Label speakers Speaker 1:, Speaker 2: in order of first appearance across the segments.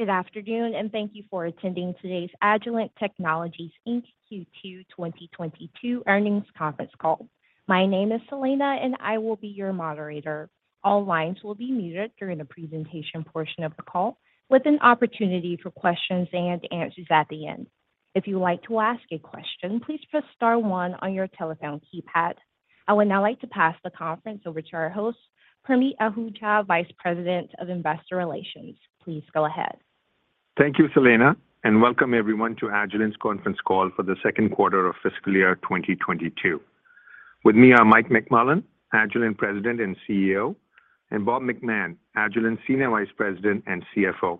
Speaker 1: Good afternoon, and thank you for attending today's Agilent Technologies, Inc Q2 2022 earnings conference call. My name is Selena, and I will be your moderator. All lines will be muted during the presentation portion of the call, with an opportunity for questions and answers at the end. If you'd like to ask a question, please press star one on your telephone keypad. I would now like to pass the conference over to our host, Parmeet Ahuja, Vice President of Investor Relations. Please go ahead.
Speaker 2: Thank you, Selena, and welcome everyone to Agilent's conference call for the second quarter of fiscal year 2022. With me are Mike McMullen, Agilent President and CEO, and Bob McMahon, Agilent Senior Vice President and CFO.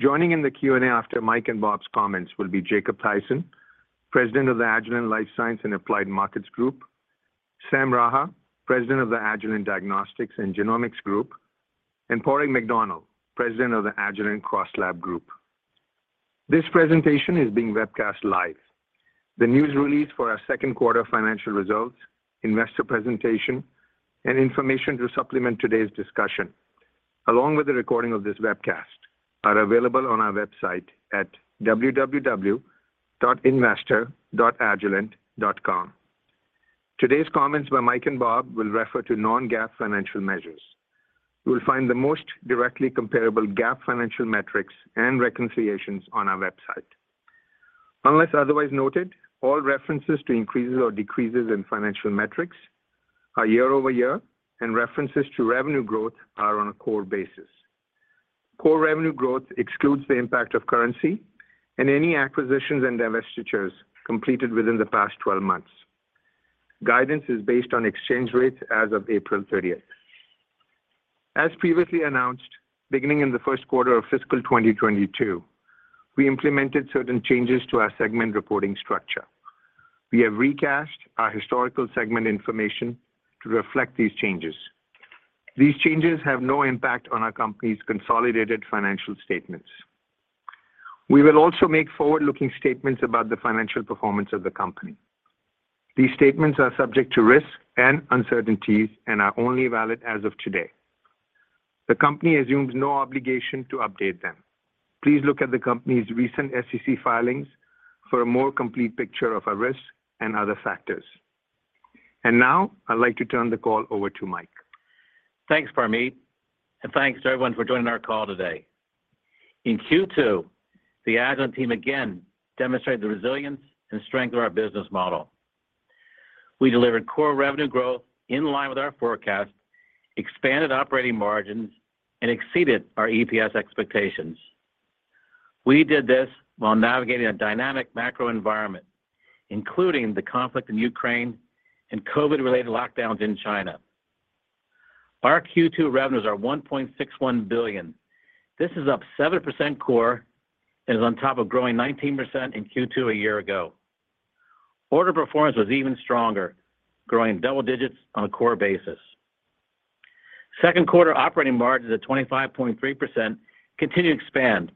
Speaker 2: Joining in the Q&A after Mike and Bob's comments will be Jacob Thaysen, President of the Agilent Life Sciences and Applied Markets Group, Sam Raha, President of the Agilent Diagnostics and Genomics Group, and Padraig McDonnell, President of the Agilent CrossLab Group. This presentation is being webcast live. The news release for our second quarter financial results, investor presentation, and information to supplement today's discussion, along with the recording of this webcast, are available on our website at www.investor.agilent.com. Today's comments by Mike and Bob will refer to non-GAAP financial measures. You will find the most directly comparable GAAP financial metrics and reconciliations on our website. Unless otherwise noted, all references to increases or decreases in financial metrics are year-over-year, and references to revenue growth are on a core basis. Core revenue growth excludes the impact of currency and any acquisitions and divestitures completed within the past 12 months. Guidance is based on exchange rates as of April 30th. As previously announced, beginning in the first quarter of fiscal 2022, we implemented certain changes to our segment reporting structure. We have recast our historical segment information to reflect these changes. These changes have no impact on our company's consolidated financial statements. We will also make forward-looking statements about the financial performance of the company. These statements are subject to risks and uncertainties and are only valid as of today. The company assumes no obligation to update them. Please look at the company's recent SEC filings for a more complete picture of our risks and other factors. Now, I'd like to turn the call over to Mike.
Speaker 3: Thanks, Parmeet. Thanks to everyone for joining our call today. In Q2, the Agilent team again demonstrated the resilience and strength of our business model. We delivered core revenue growth in line with our forecast, expanded operating margins, and exceeded our EPS expectations. We did this while navigating a dynamic macro environment, including the conflict in Ukraine and COVID-related lockdowns in China. Our Q2 revenues are $1.61 billion. This is up 7% core and is on top of growing 19% in Q2 a year ago. Order performance was even stronger, growing double digits on a core basis. Second quarter operating margins at 25.3% continued to expand,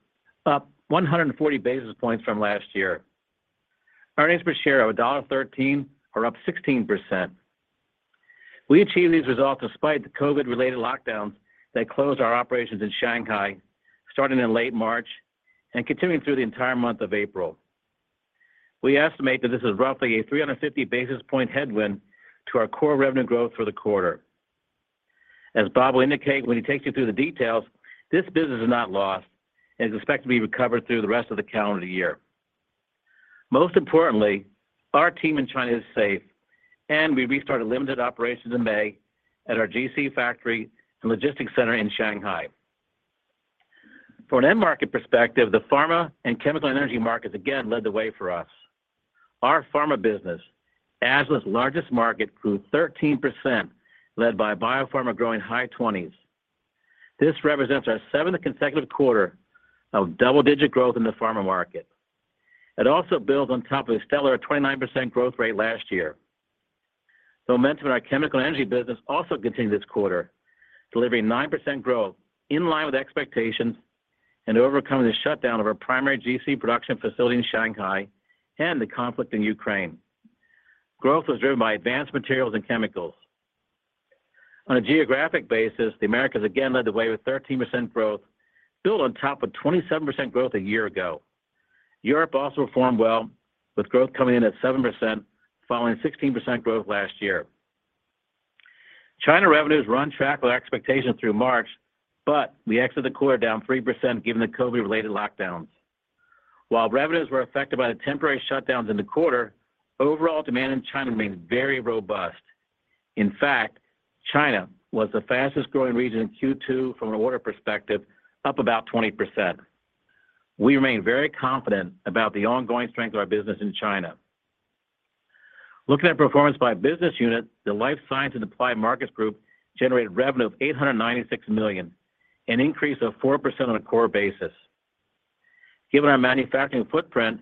Speaker 3: up 140 basis points from last year. Earnings per share of $1.13 are up 16%. We achieved these results despite the COVID-related lockdowns that closed our operations in Shanghai starting in late March and continuing through the entire month of April. We estimate that this is roughly a 350 basis point headwind to our core revenue growth for the quarter. As Bob will indicate when he takes you through the details, this business is not lost and is expected to be recovered through the rest of the calendar year. Most importantly, our team in China is safe, and we restarted limited operations in May at our GC factory and logistics center in Shanghai. From an end market perspective, the pharma and chemical and energy markets again led the way for us. Our pharma business, Agilent's largest market, grew 13%, led by biopharma growing high 20s. This represents our seventh consecutive quarter of double-digit growth in the pharma market. It also builds on top of a stellar 29% growth rate last year. Momentum in our chemical energy business also continued this quarter, delivering 9% growth in line with expectations and overcoming the shutdown of our primary GC production facility in Shanghai and the conflict in Ukraine. Growth was driven by advanced materials and chemicals. On a geographic basis, the Americas again led the way with 13% growth, built on top of 27% growth a year ago. Europe also performed well, with growth coming in at 7%, following 16% growth last year. China revenues were on track with expectations through March, but we exited the quarter down 3% given the COVID-related lockdowns. While revenues were affected by the temporary shutdowns in the quarter, overall demand in China remains very robust. In fact, China was the fastest-growing region in Q2 from an order perspective, up about 20%. We remain very confident about the ongoing strength of our business in China. Looking at performance by business unit, the Life Sciences and Applied Markets Group generated revenue of $896 million, an increase of 4% on a core basis. Given our manufacturing footprint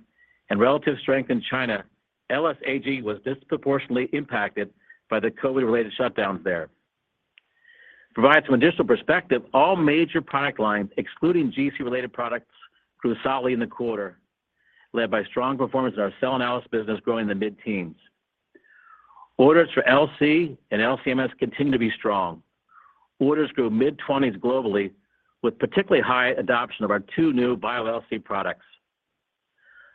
Speaker 3: and relative strength in China, LSAG was disproportionately impacted by the COVID-related shutdowns there. To provide some additional perspective, all major product lines, excluding GC-related products, grew solidly in the quarter, led by strong performance in our cell analysis business growing in the mid-teens. Orders for LC and LC-MS continue to be strong. Orders grew mid-20s globally with particularly high adoption of our two new Bio LC products.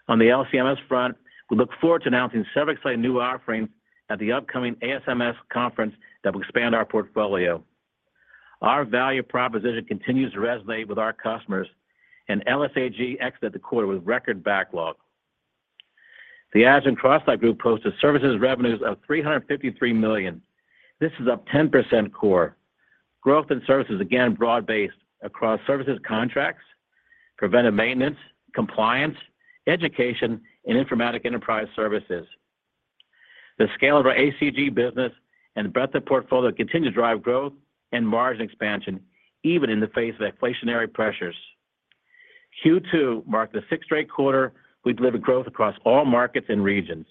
Speaker 3: On the LC-MS front, we look forward to announcing several exciting new offerings at the upcoming ASMS conference that will expand our portfolio. Our value proposition continues to resonate with our customers, and LSAG exited the quarter with record backlog. The Agilent CrossLab Group posted services revenues of $353 million. This is up 10% core. Growth in services, again, broad-based across services contracts, preventive maintenance, compliance, education, and informatics enterprise services. The scale of our ACG business and breadth of portfolio continue to drive growth and margin expansion even in the face of inflationary pressures. Q2 marked the sixth straight quarter we've delivered growth across all markets and regions.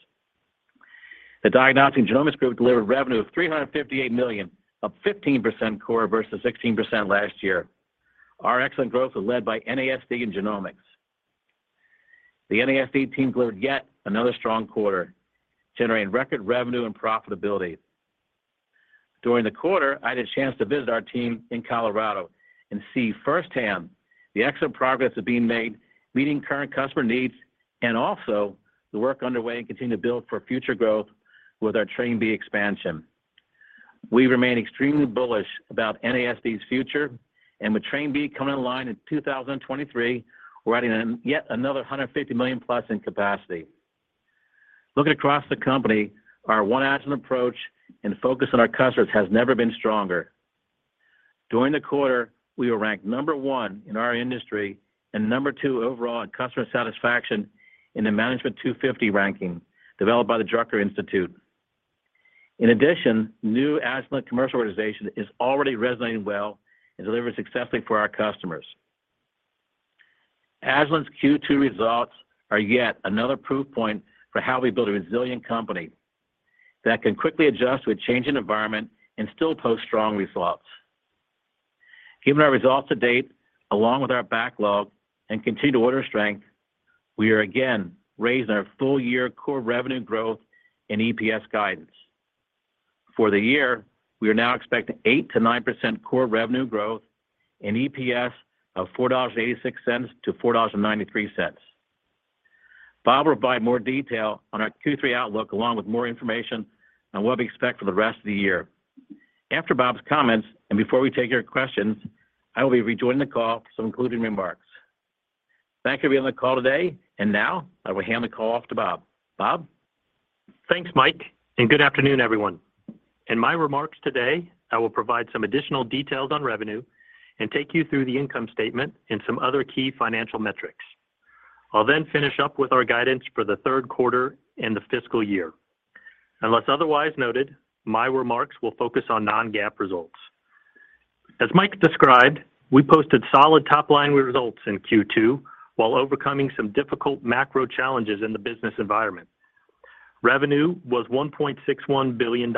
Speaker 3: The Diagnostics and Genomics Group delivered revenue of $358 million, up 15% core versus 16% last year. Our excellent growth was led by NASD and Genomics. The NASD team delivered yet another strong quarter, generating record revenue and profitability. During the quarter, I had a chance to visit our team in Colorado and see firsthand the excellent progress that's being made meeting current customer needs and also the work underway and continuing to build for future growth with our Train B expansion. We remain extremely bullish about NASD's future, and with Train B coming online in 2023, we're adding yet another 150 million plus in capacity. Looking across the company, our One Agilent approach and focus on our customers has never been stronger. During the quarter, we were ranked number one in our industry and number two overall in customer satisfaction in the Management Top 250 ranking developed by the Drucker Institute. In addition, new Agilent commercial organization is already resonating well and delivering successfully for our customers. Agilent's Q2 results are yet another proof point for how we build a resilient company that can quickly adjust to the changing environment and still post strong results. Given our results to date, along with our backlog and continued order strength, we are again raising our full year core revenue growth and EPS guidance. For the year, we are now expecting 8%-9% core revenue growth and EPS of $4.86-$4.93. Bob will provide more detail on our Q3 outlook along with more information on what we expect for the rest of the year. After Bob's comments and before we take your questions, I will be rejoining the call for some concluding remarks. Thank you for being on the call today, and now I will hand the call off to Bob. Bob?
Speaker 4: Thanks, Mike, and good afternoon, everyone. In my remarks today, I will provide some additional details on revenue and take you through the income statement and some other key financial metrics. I'll then finish up with our guidance for the third quarter and the fiscal year. Unless otherwise noted, my remarks will focus on non-GAAP results. As Mike described, we posted solid top-line results in Q2 while overcoming some difficult macro challenges in the business environment. Revenue was $1.61 billion,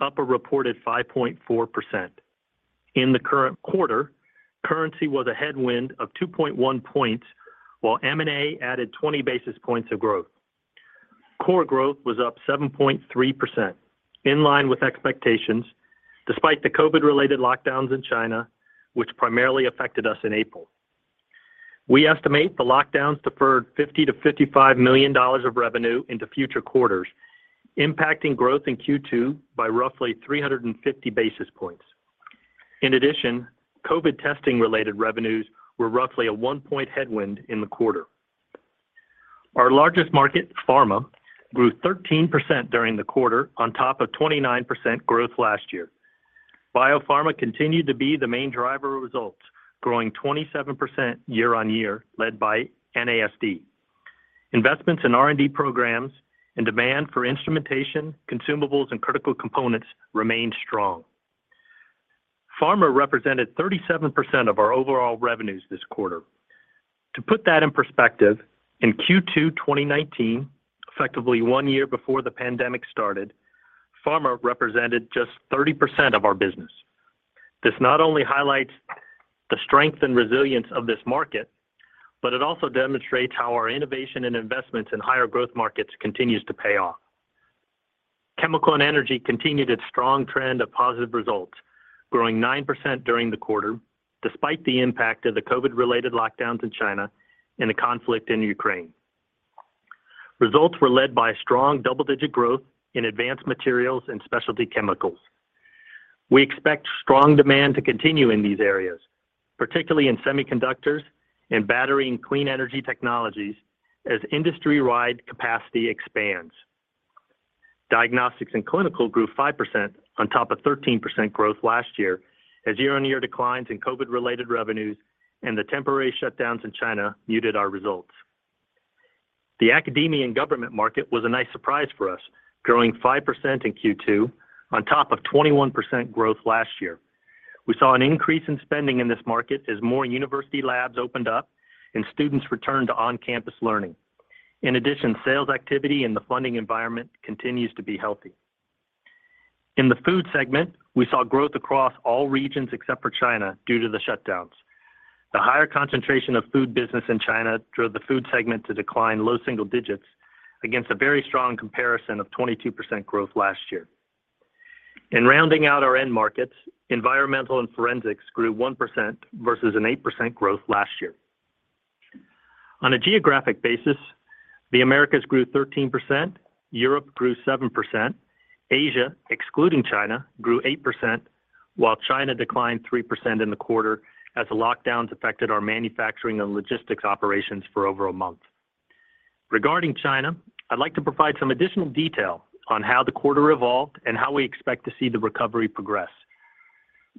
Speaker 4: up a reported 5.4%. In the current quarter, currency was a headwind of 2.1 points, while M&A added 20 basis points of growth. Core growth was up 7.3%, in line with expectations despite the COVID-related lockdowns in China, which primarily affected us in April. We estimate the lockdowns deferred $50 million-$55 million of revenue into future quarters, impacting growth in Q2 by roughly 350 basis points. In addition, COVID testing-related revenues were roughly a one-point headwind in the quarter. Our largest market, pharma, grew 13% during the quarter on top of 29% growth last year. Biopharma continued to be the main driver of results, growing 27% year-on-year, led by NASD. Investments in R&D programs and demand for instrumentation, consumables, and critical components remained strong. Pharma represented 37% of our overall revenues this quarter. To put that in perspective, in Q2 2019, effectively one year before the pandemic started, pharma represented just 30% of our business. This not only highlights the strength and resilience of this market, but it also demonstrates how our innovation and investments in higher growth markets continues to pay off. Chemical and energy continued its strong trend of positive results, growing 9% during the quarter despite the impact of the COVID-related lockdowns in China and the conflict in Ukraine. Results were led by strong double-digit growth in advanced materials and specialty chemicals. We expect strong demand to continue in these areas, particularly in semiconductors and battery and clean energy technologies as industry-wide capacity expands. Diagnostics and clinical grew 5% on top of 13% growth last year as year-on-year declines in COVID-related revenues and the temporary shutdowns in China muted our results. The academia and government market was a nice surprise for us, growing 5% in Q2 on top of 21% growth last year. We saw an increase in spending in this market as more university labs opened up and students returned to on-campus learning. In addition, sales activity in the funding environment continues to be healthy. In the food segment, we saw growth across all regions except for China due to the shutdowns. The higher concentration of food business in China drove the food segment to decline low single digits against a very strong comparison of 22% growth last year. In rounding out our end markets, environmental and forensics grew 1% versus an 8% growth last year. On a geographic basis, the Americas grew 13%, Europe grew 7%, Asia, excluding China, grew 8%, while China declined 3% in the quarter as the lockdowns affected our manufacturing and logistics operations for over a month. Regarding China, I'd like to provide some additional detail on how the quarter evolved and how we expect to see the recovery progress.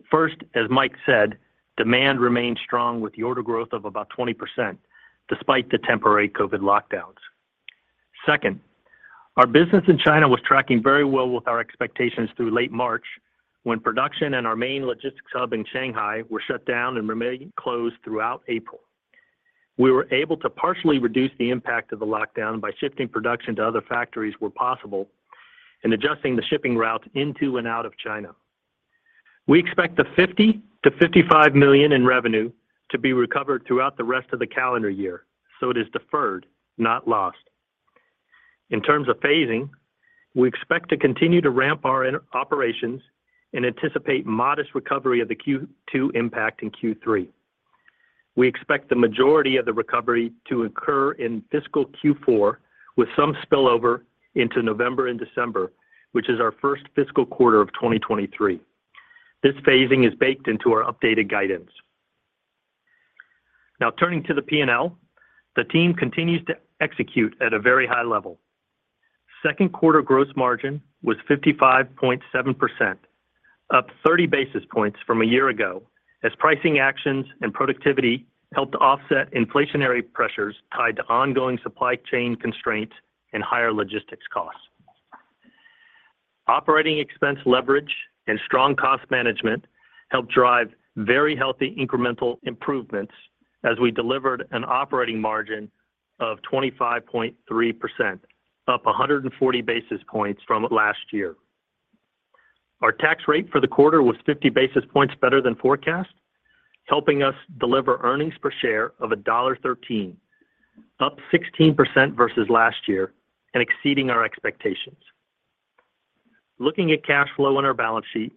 Speaker 4: First, as Mike said, demand remains strong with the order growth of about 20% despite the temporary COVID lockdowns. Second, our business in China was tracking very well with our expectations through late March when production in our main logistics hub in Shanghai were shut down and remained closed throughout April. We were able to partially reduce the impact of the lockdown by shifting production to other factories where possible and adjusting the shipping routes into and out of China. We expect the $50 million-$55 million in revenue to be recovered throughout the rest of the calendar year, so it is deferred, not lost. In terms of phasing, we expect to continue to ramp our operations and anticipate modest recovery of the Q2 impact in Q3. We expect the majority of the recovery to occur in fiscal Q4 with some spillover into November and December, which is our first fiscal quarter of 2023. This phasing is baked into our updated guidance. Now turning to the P&L, the team continues to execute at a very high level. Second quarter gross margin was 55.7%, up 30 basis points from a year ago as pricing actions and productivity helped offset inflationary pressures tied to ongoing supply chain constraints and higher logistics costs. Operating expense leverage and strong cost management helped drive very healthy incremental improvements as we delivered an operating margin of 25.3%, up 140 basis points from last year. Our tax rate for the quarter was 50 basis points better than forecast, helping us deliver earnings per share of $1.13, up 16% versus last year and exceeding our expectations. Looking at cash flow on our balance sheet,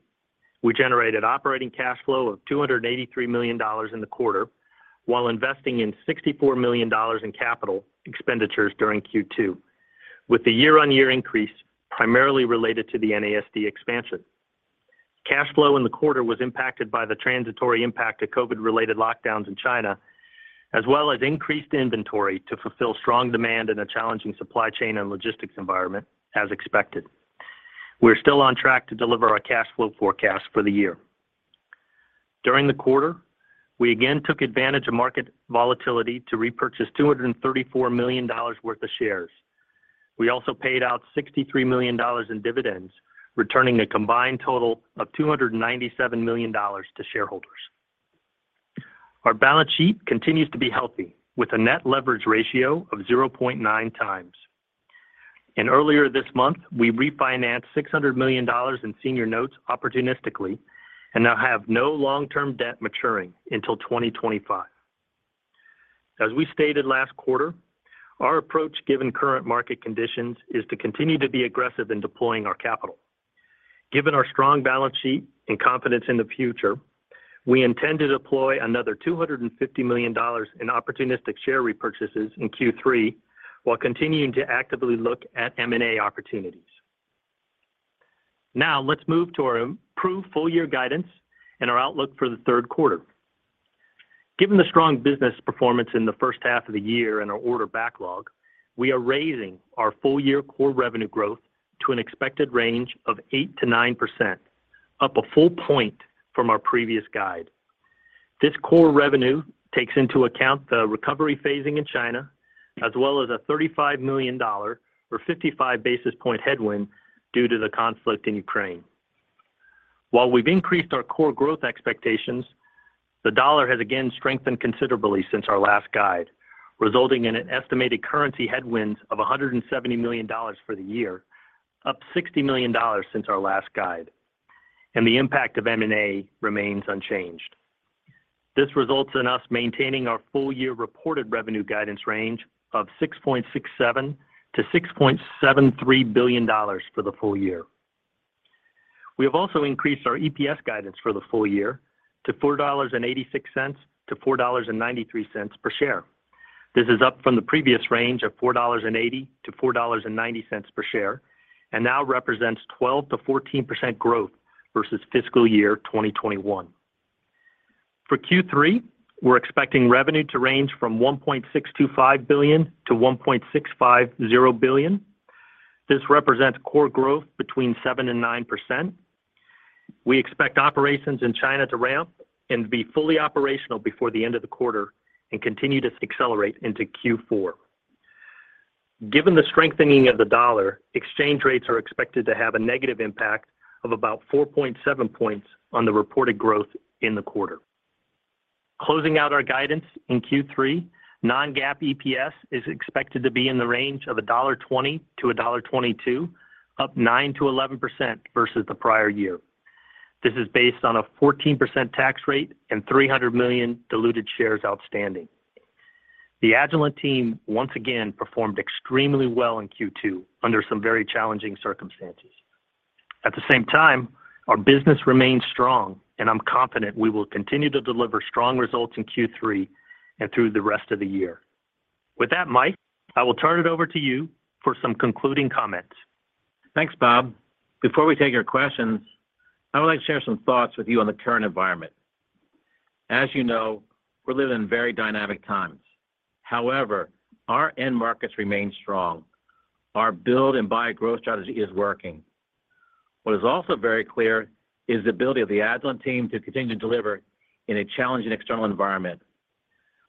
Speaker 4: we generated operating cash flow of $283 million in the quarter while investing in $64 million in capital expenditures during Q2, with the year-on-year increase primarily related to the NASD expansion. Cash flow in the quarter was impacted by the transitory impact of COVID-related lockdowns in China, as well as increased inventory to fulfill strong demand in a challenging supply chain and logistics environment as expected. We're still on track to deliver our cash flow forecast for the year. During the quarter, we again took advantage of market volatility to repurchase $234 million worth of shares. We also paid out $63 million in dividends, returning a combined total of $297 million to shareholders. Our balance sheet continues to be healthy, with a net leverage ratio of 0.9x. Earlier this month, we refinanced $600 million in senior notes opportunistically and now have no long-term debt maturing until 2025. As we stated last quarter, our approach given current market conditions is to continue to be aggressive in deploying our capital. Given our strong balance sheet and confidence in the future, we intend to deploy another $250 million in opportunistic share repurchases in Q3 while continuing to actively look at M&A opportunities. Now let's move to our improved full year guidance and our outlook for the third quarter. Given the strong business performance in the first half of the year and our order backlog, we are raising our full year core revenue growth to an expected range of 8%-9%, up a full point from our previous guide. This core revenue takes into account the recovery phasing in China as well as a $35 million or 55 basis point headwind due to the conflict in Ukraine. While we've increased our core growth expectations, the dollar has again strengthened considerably since our last guide, resulting in an estimated currency headwind of $170 million for the year, up $60 million since our last guide, and the impact of M&A remains unchanged. This results in us maintaining our full year reported revenue guidance range of $6.67 billion-$6.73 billion for the full year. We have also increased our EPS guidance for the full year to $4.86-$4.93 per share. This is up from the previous range of $4.80-$4.90 per share, and now represents 12%-14% growth versus fiscal year 2021. For Q3, we're expecting revenue to range from $1.625 billion-$1.650 billion. This represents core growth between 7%-9%. We expect operations in China to ramp and be fully operational before the end of the quarter and continue to accelerate into Q4. Given the strengthening of the dollar, exchange rates are expected to have a negative impact of about 4.7 points on the reported growth in the quarter. Closing out our guidance in Q3, non-GAAP EPS is expected to be in the range of $1.20-$1.22, up 9%-11% versus the prior year. This is based on a 14% tax rate and 300 million diluted shares outstanding. The Agilent team once again performed extremely well in Q2 under some very challenging circumstances. At the same time, our business remains strong, and I'm confident we will continue to deliver strong results in Q3 and through the rest of the year. With that, Mike, I will turn it over to you for some concluding comments.
Speaker 3: Thanks, Bob. Before we take your questions, I would like to share some thoughts with you on the current environment. As you know, we live in very dynamic times. However, our end markets remain strong. Our build and buy growth strategy is working. What is also very clear is the ability of the Agilent team to continue to deliver in a challenging external environment.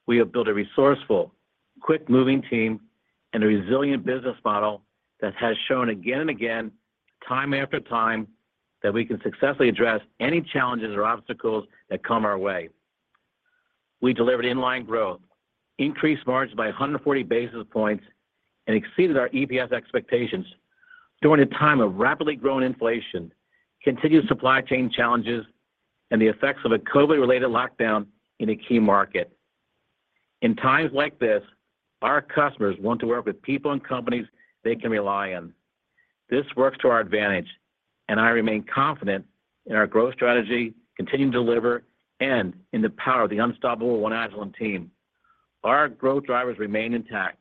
Speaker 3: We have built a resourceful, quick-moving team and a resilient business model that has shown again and again, time after time, that we can successfully address any challenges or obstacles that come our way. We delivered in-line growth, increased margins by 140 basis points, and exceeded our EPS expectations during a time of rapidly growing inflation, continued supply chain challenges, and the effects of a COVID-related lockdown in a key market. In times like this, our customers want to work with people and companies they can rely on. This works to our advantage, and I remain confident in our growth strategy, continuing to deliver, and in the power of the unstoppable One Agilent team. Our growth drivers remain intact,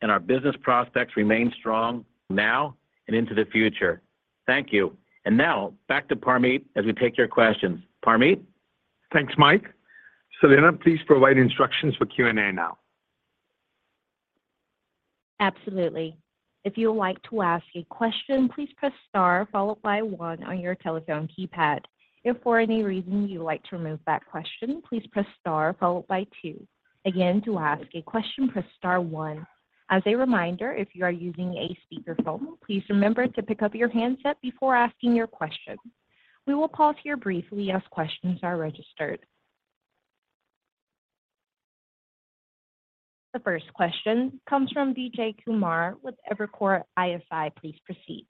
Speaker 3: and our business prospects remain strong now and into the future. Thank you. Now back to Parmeet as we take your questions. Parmeet.
Speaker 2: Thanks, Mike. Selena, please provide instructions for Q&A now.
Speaker 1: Absolutely. If you would like to ask a question, please press star followed by one on your telephone keypad. If for any reason you would like to remove that question, please press star followed by two. Again, to ask a question, press star one. As a reminder, if you are using a speakerphone, please remember to pick up your handset before asking your question. We will pause here briefly as questions are registered. The first question comes from Vijay Kumar with Evercore ISI. Please proceed.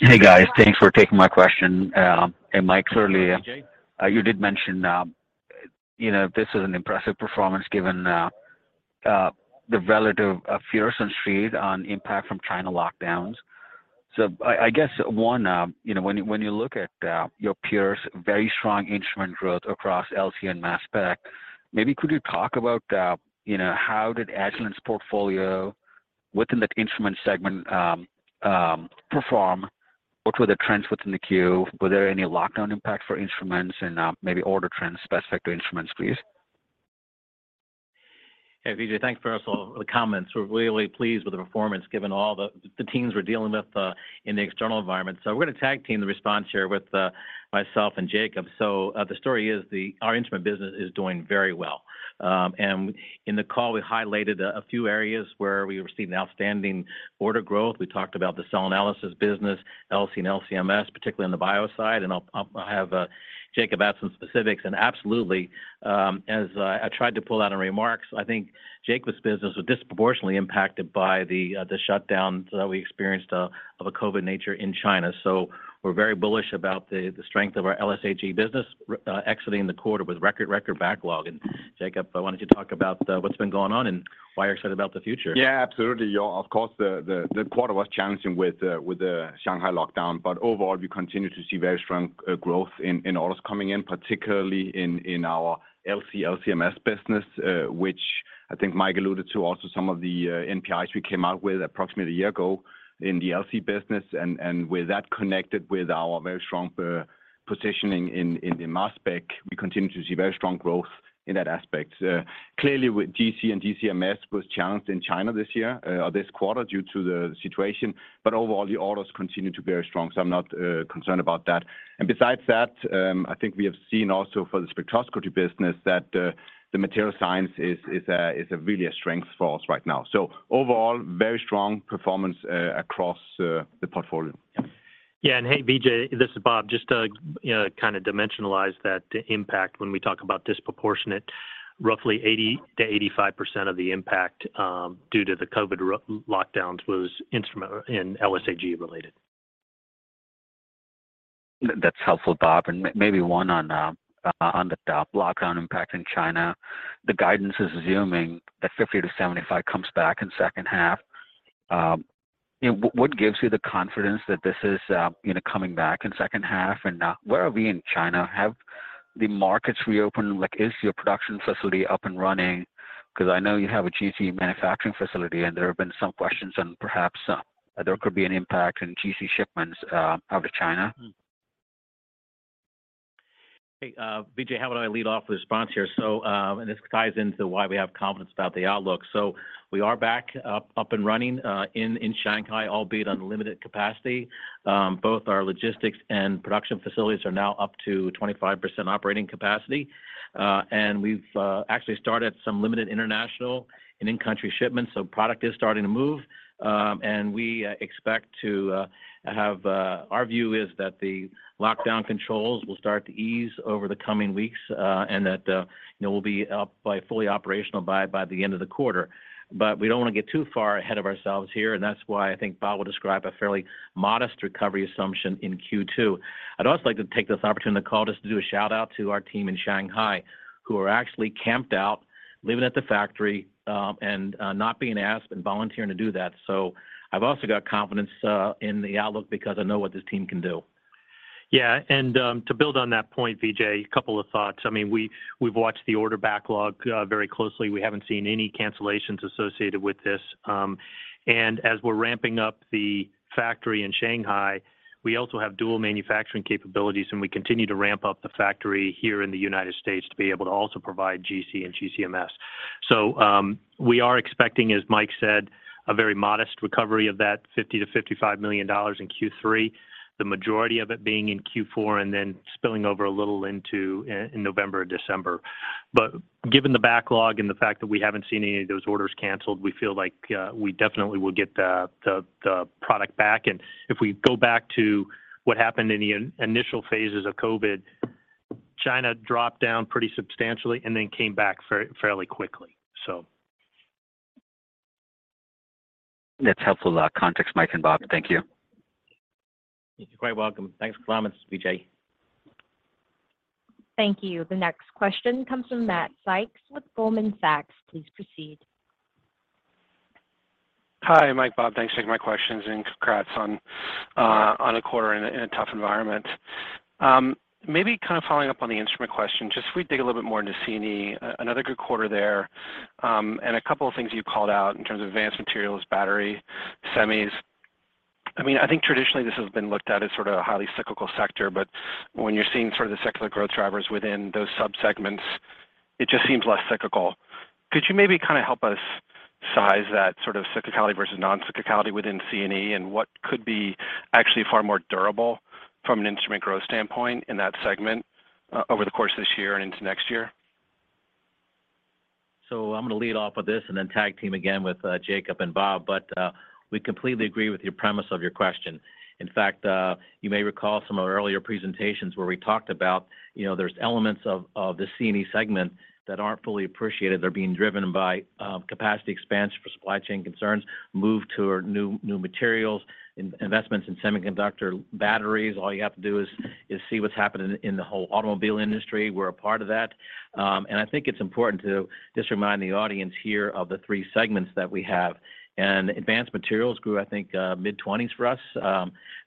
Speaker 5: Hey, guys. Thanks for taking my question. Mike, clearly-
Speaker 3: Hey, Vijay
Speaker 5: You did mention, you know, this is an impressive performance given the relative fears on the Street on impact from China lockdowns. I guess one, you know, when you look at your peers, very strong instrument growth across LC and mass spec. Maybe could you talk about, you know, how did Agilent's portfolio within that instrument segment perform? What were the trends within the quarter? Were there any lockdown impact for instruments and maybe order trends specific to instruments, please?
Speaker 3: Hey, Vijay Kumar. Thanks, first of all, for the comments. We're really pleased with the performance given all the teams we're dealing with in the external environment. We're gonna tag team the response here with myself and Jacob Thaysen. The story is our instrument business is doing very well. In the call, we highlighted a few areas where we received outstanding order growth. We talked about the cell analysis business, LC and LC-MS, particularly on the bio side. I'll have Jacob add some specifics. Absolutely, as I tried to pull out in remarks, I think Jacob's business was disproportionately impacted by the shutdowns that we experienced of a COVID nature in China. We're very bullish about the strength of our LSAG business, exiting the quarter with record backlog. Jacob, why don't you talk about what's been going on and why you're excited about the future?
Speaker 6: Yeah, absolutely. Yeah, of course, the quarter was challenging with the Shanghai lockdown, but overall, we continue to see very strong growth in orders coming in, particularly in our LC-MS business, which I think Mike alluded to. Also some of the NPIs we came out with approximately a year ago in the LC business. With that connected with our very strong positioning in the mass spec, we continue to see very strong growth in that aspect. Clearly with GC and GC-MS was challenged in China this year, or this quarter due to the situation, but overall the orders continue to be very strong, so I'm not concerned about that. Besides that, I think we have seen also for the spectroscopy business that the material science is a really a strength for us right now. Overall, very strong performance across the portfolio.
Speaker 4: Yeah. Hey, Vijay, this is Bob. Just to, you know, kind of dimensionalize that impact when we talk about disproportionate, roughly 80%-85% of the impact, due to the COVID lockdowns was instrument in LSAG related.
Speaker 5: That's helpful, Bob. Maybe one on the lockdown impact in China. The guidance is assuming that $50 million-$75 million comes back in second half. What gives you the confidence that this is coming back in second half? Where are we in China? Have the markets reopened? Like, is your production facility up and running? 'Cause I know you have a GC manufacturing facility, and there have been some questions on perhaps there could be an impact in GC shipments out of China.
Speaker 3: Hey, Vijay, how about I lead off with a response here? This ties into why we have confidence about the outlook. We are back up and running in Shanghai, albeit on limited capacity. Both our logistics and production facilities are now up to 25% operating capacity. And we've actually started some limited international and in-country shipments, so product is starting to move. Our view is that the lockdown controls will start to ease over the coming weeks, and that you know we'll be up and fully operational by the end of the quarter. We don't want to get too far ahead of ourselves here, and that's why I think Bob will describe a fairly modest recovery assumption in Q2. I'd also like to take this opportunity to call just to do a shout-out to our team in Shanghai, who are actually camped out, living at the factory, and not being asked, but volunteering to do that. I've also got confidence in the outlook because I know what this team can do.
Speaker 4: Yeah. To build on that point, Vijay, a couple of thoughts. I mean, we've watched the order backlog very closely. We haven't seen any cancellations associated with this. As we're ramping up the factory in Shanghai, we also have dual manufacturing capabilities, and we continue to ramp up the factory here in the United States to be able to also provide GC and GC-MS. We are expecting, as Mike said, a very modest recovery of that $50 million-$55 million in Q3, the majority of it being in Q4, and then spilling over a little into November or December. Given the backlog and the fact that we haven't seen any of those orders canceled, we feel like we definitely will get the product back. If we go back to what happened in the initial phases of COVID, China dropped down pretty substantially and then came back fairly quickly.
Speaker 5: That's helpful, the context, Mike and Bob. Thank you.
Speaker 3: You're quite welcome. Thanks for the comments, Vijay.
Speaker 1: Thank you. The next question comes from Matt Sykes with Goldman Sachs. Please proceed.
Speaker 7: Hi, Mike, Bob. Thanks for taking my questions, and congrats on a quarter in a tough environment. Maybe kind of following up on the instrument question, just if we dig a little bit more into C&E, another good quarter there, and a couple of things you called out in terms of advanced materials, battery, semis. I mean, I think traditionally this has been looked at as sort of a highly cyclical sector, but when you're seeing sort of the secular growth drivers within those subsegments, it just seems less cyclical. Could you maybe kind of help us size that sort of cyclicality versus non-cyclicality within C&E, and what could be actually far more durable from an instrument growth standpoint in that segment over the course of this year and into next year?
Speaker 3: I'm gonna lead off with this and then tag-team again with Jacob and Bob. We completely agree with your premise of your question. In fact, you may recall some of our earlier presentations where we talked about, you know, there's elements of the C&E segment that aren't fully appreciated. They're being driven by capacity expansion for supply chain concerns, move to new materials, investments in semiconductors, batteries. All you have to do is see what's happened in the whole automobile industry. We're a part of that. I think it's important to just remind the audience here of the three segments that we have. Advanced materials grew, I think, mid-20s% for us.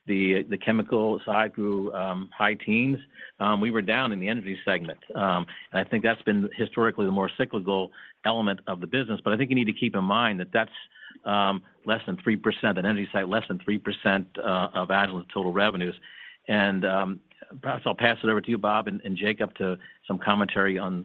Speaker 3: The chemical side grew high teens%. We were down in the energy segment. I think that's been historically the more cyclical element of the business. But I think you need to keep in mind that that's less than 3% of Agilent's total revenues. Perhaps I'll pass it over to you, Bob and Jacob, to some commentary on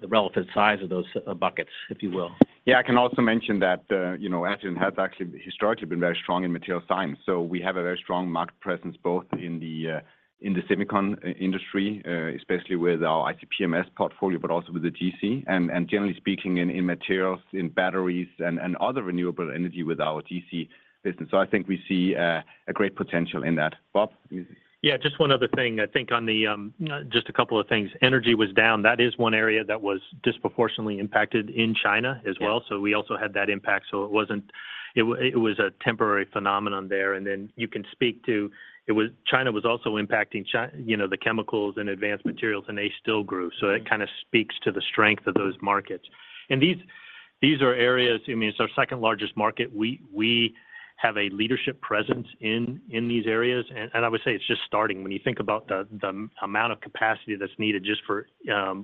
Speaker 3: the relative size of those buckets, if you will.
Speaker 6: Yeah. I can also mention that, you know, Agilent has actually historically been very strong in materials science, so we have a very strong market presence both in the, in the semiconductor industry, especially with our ICP-MS portfolio, but also with the GC and generally speaking in materials, in batteries and other renewable energy with our GC business. I think we see a great potential in that. Bob, you-
Speaker 4: Yeah, just one other thing. I think on the, just a couple of things. Energy was down. That is one area that was disproportionately impacted in China as well.
Speaker 3: Yeah.
Speaker 4: We also had that impact. It was a temporary phenomenon there. Then you can speak to it. China was also impacting, you know, the chemicals and advanced materials, and they still grew. It kind of speaks to the strength of those markets. These are areas, I mean, it's our second-largest market. We have a leadership presence in these areas. I would say it's just starting. When you think about the amount of capacity that's needed just for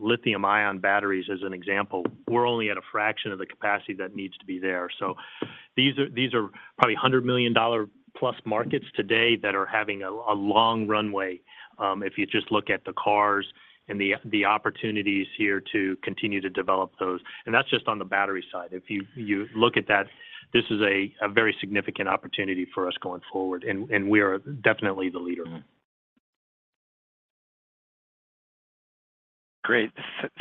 Speaker 4: lithium-ion batteries, as an example, we're only at a fraction of the capacity that needs to be there. These are probably $100 million plus markets today that are having a long runway, if you just look at the cars and the opportunities here to continue to develop those, and that's just on the battery side. If you look at that, this is a very significant opportunity for us going forward, and we are definitely the leader.
Speaker 7: Great.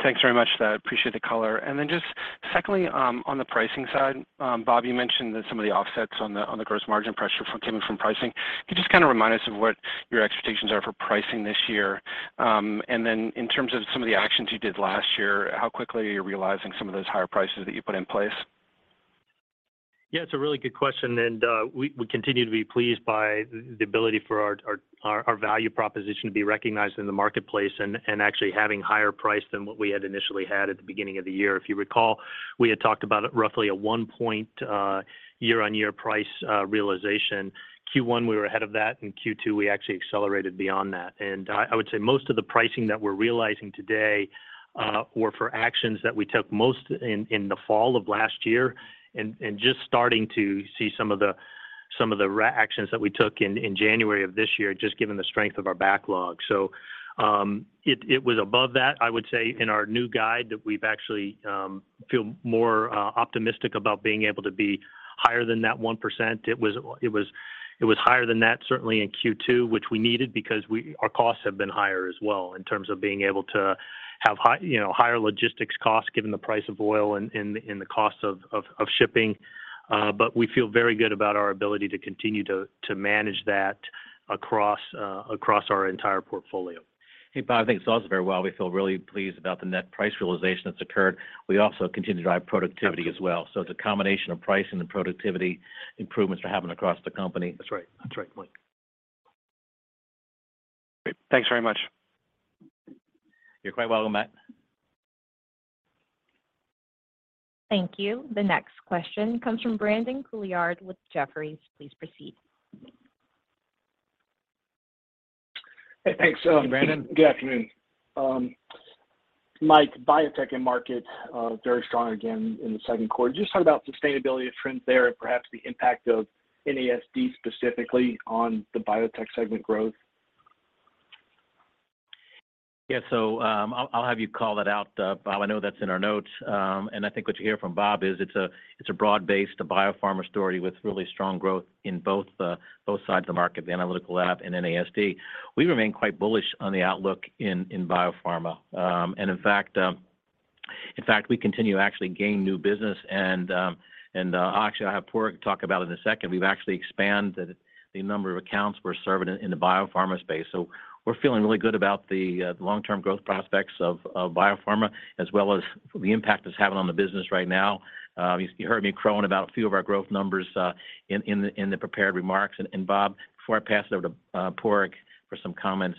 Speaker 7: Thanks very much for that. Appreciate the color. Just secondly, on the pricing side, Bob, you mentioned that some of the offsets on the gross margin pressure came from pricing. Could you just kind of remind us of what your expectations are for pricing this year? In terms of some of the actions you did last year, how quickly are you realizing some of those higher prices that you put in place?
Speaker 4: Yeah, it's a really good question, and we continue to be pleased by the ability for our value proposition to be recognized in the marketplace and actually having higher price than what we had initially had at the beginning of the year. If you recall, we had talked about it roughly a 1-point year-on-year price realization. Q1 we were ahead of that, and Q2 we actually accelerated beyond that. I would say most of the pricing that we're realizing today were for actions that we took most in the fall of last year and just starting to see - -Some of the actions that we took in January of this year, just given the strength of our backlog. It was above that. I would say in our new guide that we actually feel more optimistic about being able to be higher than that 1%. It was higher than that certainly in Q2, which we needed because our costs have been higher as well in terms of being able to have higher logistics costs given the price of oil and the cost of shipping. We feel very good about our ability to continue to manage that across our entire portfolio.
Speaker 3: Hey, Bob. I think it's also very well, we feel really pleased about the net price realization that's occurred. We also continue to drive productivity as well. It's a combination of pricing and productivity improvements we're having across the company.
Speaker 4: That's right, Mike.
Speaker 7: Great. Thanks very much.
Speaker 3: You're quite welcome, Matt.
Speaker 1: Thank you. The next question comes from Brandon Couillard with Jefferies. Please proceed.
Speaker 8: Hey, thanks.
Speaker 3: Brandon.
Speaker 8: Good afternoon. Mike, BioTek end market, very strong again in the second quarter. Can you just talk about sustainability of trends there and perhaps the impact of NASD specifically on the BioTek segment growth?
Speaker 3: Yeah. I'll have you call that out, Bob. I know that's in our notes. I think what you hear from Bob is it's a broad-based biopharma story with really strong growth in both sides of the market, the analytical lab and NASD. We remain quite bullish on the outlook in biopharma. In fact, we continue to actually gain new business and actually, I'll have Padraig talk about in a second. We've actually expanded the number of accounts we're serving in the biopharma space. We're feeling really good about the long-term growth prospects of biopharma as well as the impact it's having on the business right now. You heard me crowing about a few of our growth numbers in the prepared remarks. Bob, before I pass it over to Padraig for some comments,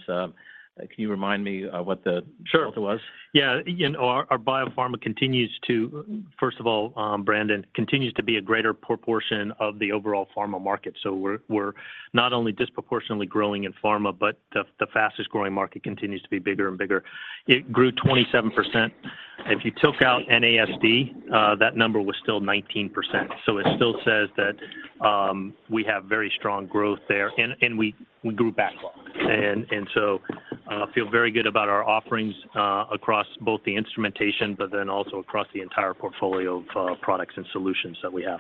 Speaker 3: can you remind me what the-
Speaker 4: Sure
Speaker 3: result was?
Speaker 4: Yeah. Our biopharma continues to, first of all, Brandon, be a greater proportion of the overall pharma market. We're not only disproportionately growing in pharma, but the fastest-growing market continues to be bigger and bigger. It grew 27%. If you took out NASD, that number was still 19%. It still says that we have very strong growth there. We grew backlog. We feel very good about our offerings across both the instrumentation, but then also across the entire portfolio of products and solutions that we have.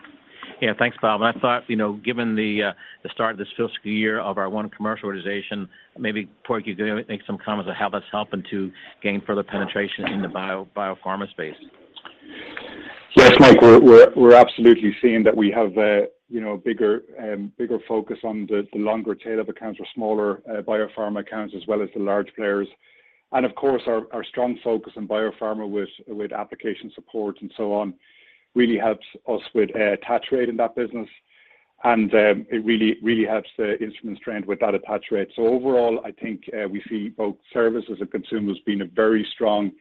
Speaker 3: Thanks, Bob. I thought, you know, given the start of this fiscal year of our One Commercial organization, maybe, Padraig, you can make some comments on how that's helping to gain further penetration in the biopharma space.
Speaker 9: Yes, Mike, we're absolutely seeing that we have a you know bigger focus on the longer tail of accounts or smaller biopharma accounts, as well as the large players. Of course, our strong focus on biopharma with application support and so on really helps us with attach rate in that business, and it really helps the instruments trend with that attach rate. Overall, I think we see both services and consumables has been a very strong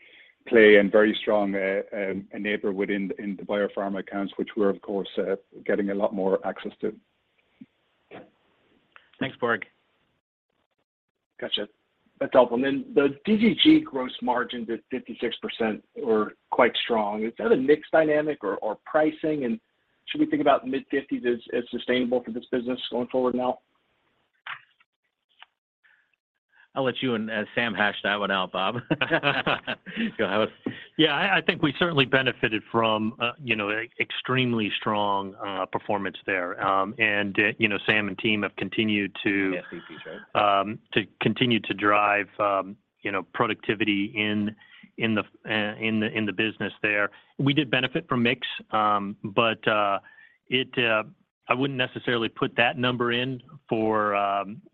Speaker 9: play and very strong enabler within the biopharma accounts, which we're of course getting a lot more access to.
Speaker 3: Thanks, Padraig.
Speaker 8: Gotcha. That's helpful. The DGG gross margins at 56% were quite strong. Is that a mix dynamic or pricing, and should we think about mid-50s% as sustainable for this business going forward now?
Speaker 3: I'll let you and Sam hash that one out, Bob. Go ahead.
Speaker 4: Yeah. I think we certainly benefited from, you know, extremely strong performance there. You know, Sam and team have continued to-
Speaker 3: Yes, please. Sure. To continue to drive, you know, productivity in the business there. We did benefit from mix, but I wouldn't necessarily put that number in for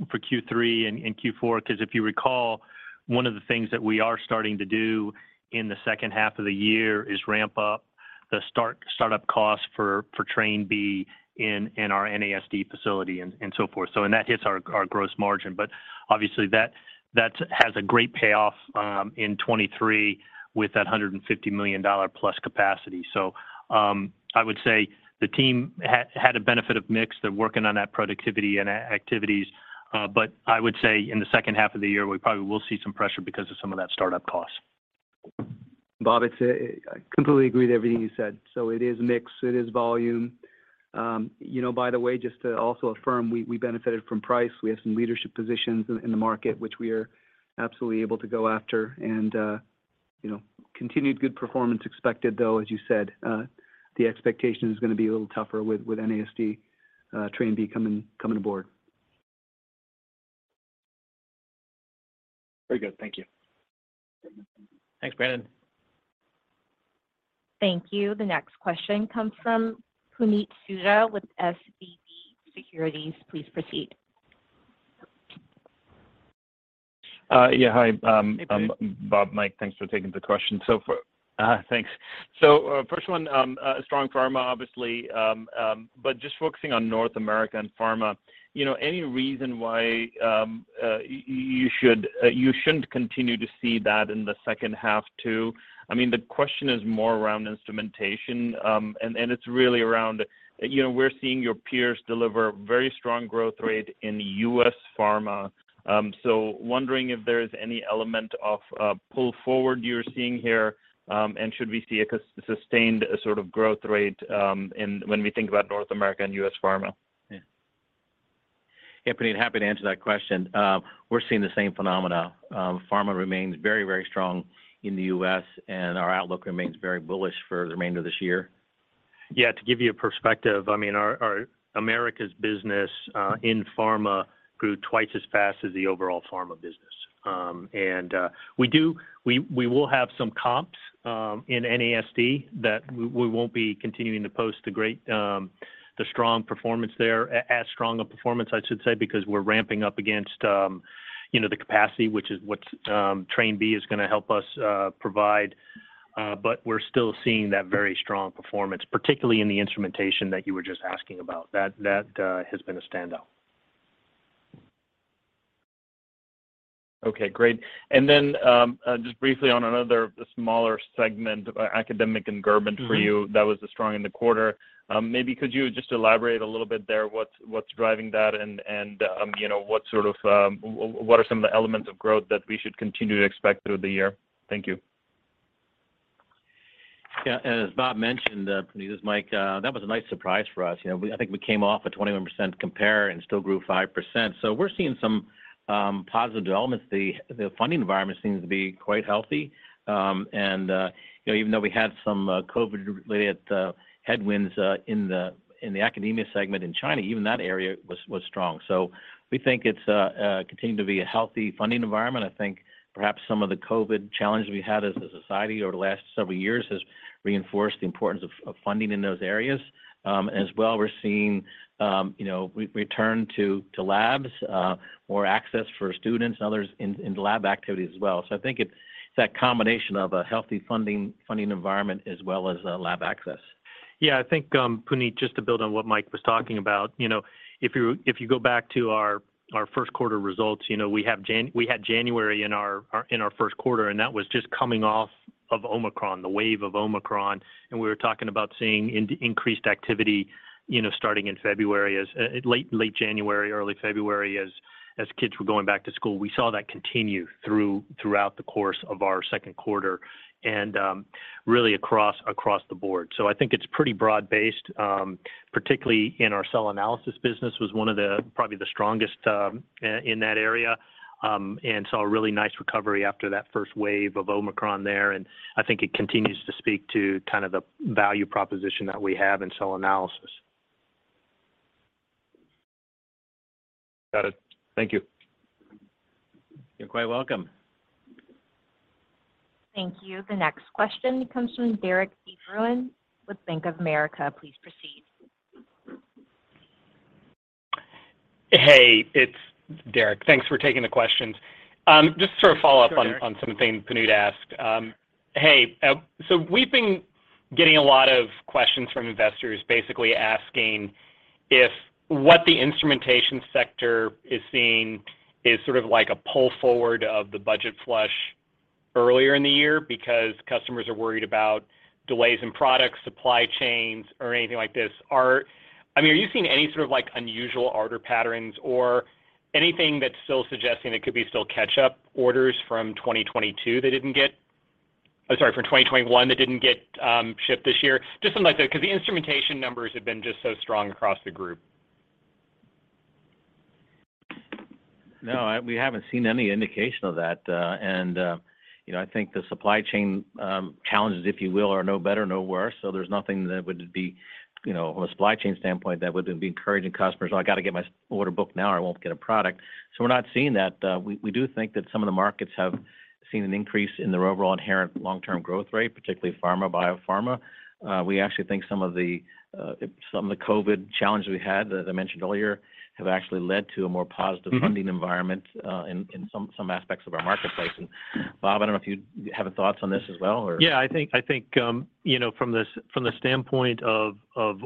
Speaker 3: Q3 and Q4, 'cause if you recall, one of the things that we are starting to do in the second half of the year is ramp up the startup costs for Train B in our NASD facility and so forth. And that hits our gross margin, but obviously that has a great payoff in 2023 with that $150 million plus capacity. I would say the team had a benefit of mix.
Speaker 4: They're working on that productivity and activities, but I would say in the second half of the year, we probably will see some pressure because of some of that startup costs.
Speaker 10: Bob, it's I completely agree with everything you said. It is mix, it is volume. You know, by the way, just to also affirm, we benefited from price. We have some leadership positions in the market, which we are absolutely able to go after. You know, continued good performance expected, though, as you said. The expectation is gonna be a little tougher with NASD, Train B coming aboard.
Speaker 8: Very good. Thank you.
Speaker 3: Thanks, Brandon.
Speaker 1: Thank you. The next question comes from Puneet Souda with SVB Securities. Please proceed.
Speaker 11: Yeah. Hi.
Speaker 3: Hey, Puneet.
Speaker 11: Bob, Mike, thanks for taking the question. First one, strong pharma obviously, but just focusing on North America and pharma, you know, any reason why you shouldn't continue to see that in the second half too? I mean, the question is more around instrumentation, and it's really around, you know, we're seeing your peers deliver very strong growth rate in U.S. pharma. Wondering if there's any element of pull forward you're seeing here, and should we see a sustained sort of growth rate in when we think about North America and U.S. pharma? Yeah.
Speaker 3: Yeah, Puneet, happy to answer that question. We're seeing the same phenomena. Pharma remains very, very strong in the U.S., and our outlook remains very bullish for the remainder of this year.
Speaker 4: Yeah. To give you a perspective, I mean, our Americas business in pharma grew twice as fast as the overall pharma business. We will have some comps in NASD that we won't be continuing to post the strong performance there, as strong a performance, I should say, because we're ramping up against the capacity, which is what's Train B is gonna help us provide. We're still seeing that very strong performance, particularly in the instrumentation that you were just asking about. That has been a standout.
Speaker 11: Okay, great. Just briefly on another smaller segment, academic and government.
Speaker 4: Mm-hmm
Speaker 11: For you, that was strong in the quarter. Maybe could you just elaborate a little bit there on what's driving that and, you know, what sort of what are some of the elements of growth that we should continue to expect through the year? Thank you.
Speaker 3: Yeah. As Bob mentioned, Puneet, this is Mike, that was a nice surprise for us. You know, I think we came off a 21% compare and still grew 5%. We're seeing some positive developments. The funding environment seems to be quite healthy, and you know, even though we had some COVID-related headwinds in the academia segment in China, even that area was strong. We think it's continuing to be a healthy funding environment. I think perhaps some of the COVID challenges we had as a society over the last several years has reinforced the importance of funding in those areas. As well, we're seeing you know, return to labs, more access for students and others in lab activities as well. I think it's that combination of a healthy funding environment as well as lab access.
Speaker 4: Yeah, I think, Puneet, just to build on what Mike was talking about, you know, if you go back to our first quarter results, you know, we had January in our first quarter, and that was just coming off of Omicron, the wave of Omicron. We were talking about seeing increased activity, you know, starting in February as late January, early February, as kids were going back to school. We saw that continue throughout the course of our second quarter and really across the board. I think it's pretty broad-based, particularly in our cell analysis business was one of the probably the strongest in that area, and saw a really nice recovery after that first wave of Omicron there. I think it continues to speak to kind of the value proposition that we have in cell analysis.
Speaker 11: Got it. Thank you.
Speaker 3: You're quite welcome.
Speaker 1: Thank you. The next question comes from Derik De Bruin with Bank of America. Please proceed.
Speaker 12: Hey, it's Derik. Thanks for taking the questions. Just to sort of follow up on something Puneet asked. Hey, so we've been getting a lot of questions from investors basically asking if what the instrumentation sector is seeing is sort of like a pull forward of the budget flush earlier in the year because customers are worried about delays in products, supply chains or anything like this. I mean, are you seeing any sort of, like, unusual order patterns or anything that's still suggesting it could be catch-up orders from 2021 that didn't get shipped this year? Just something like that, 'cause the instrumentation numbers have been just so strong across the group.
Speaker 3: No, we haven't seen any indication of that. You know, I think the supply chain challenges, if you will, are no better, no worse. There's nothing that would be, you know, from a supply chain standpoint that would be encouraging customers, "Oh, I got to get my order book now or I won't get a product." We're not seeing that. We do think that some of the markets have seen an increase in their overall inherent long-term growth rate, particularly pharma, biopharma. We actually think some of the COVID challenges we had, as I mentioned earlier, have actually led to a more positive funding environment, in some aspects of our marketplace. Bob, I don't know if you have thoughts on this as well or-
Speaker 4: Yeah, I think you know from this from the standpoint of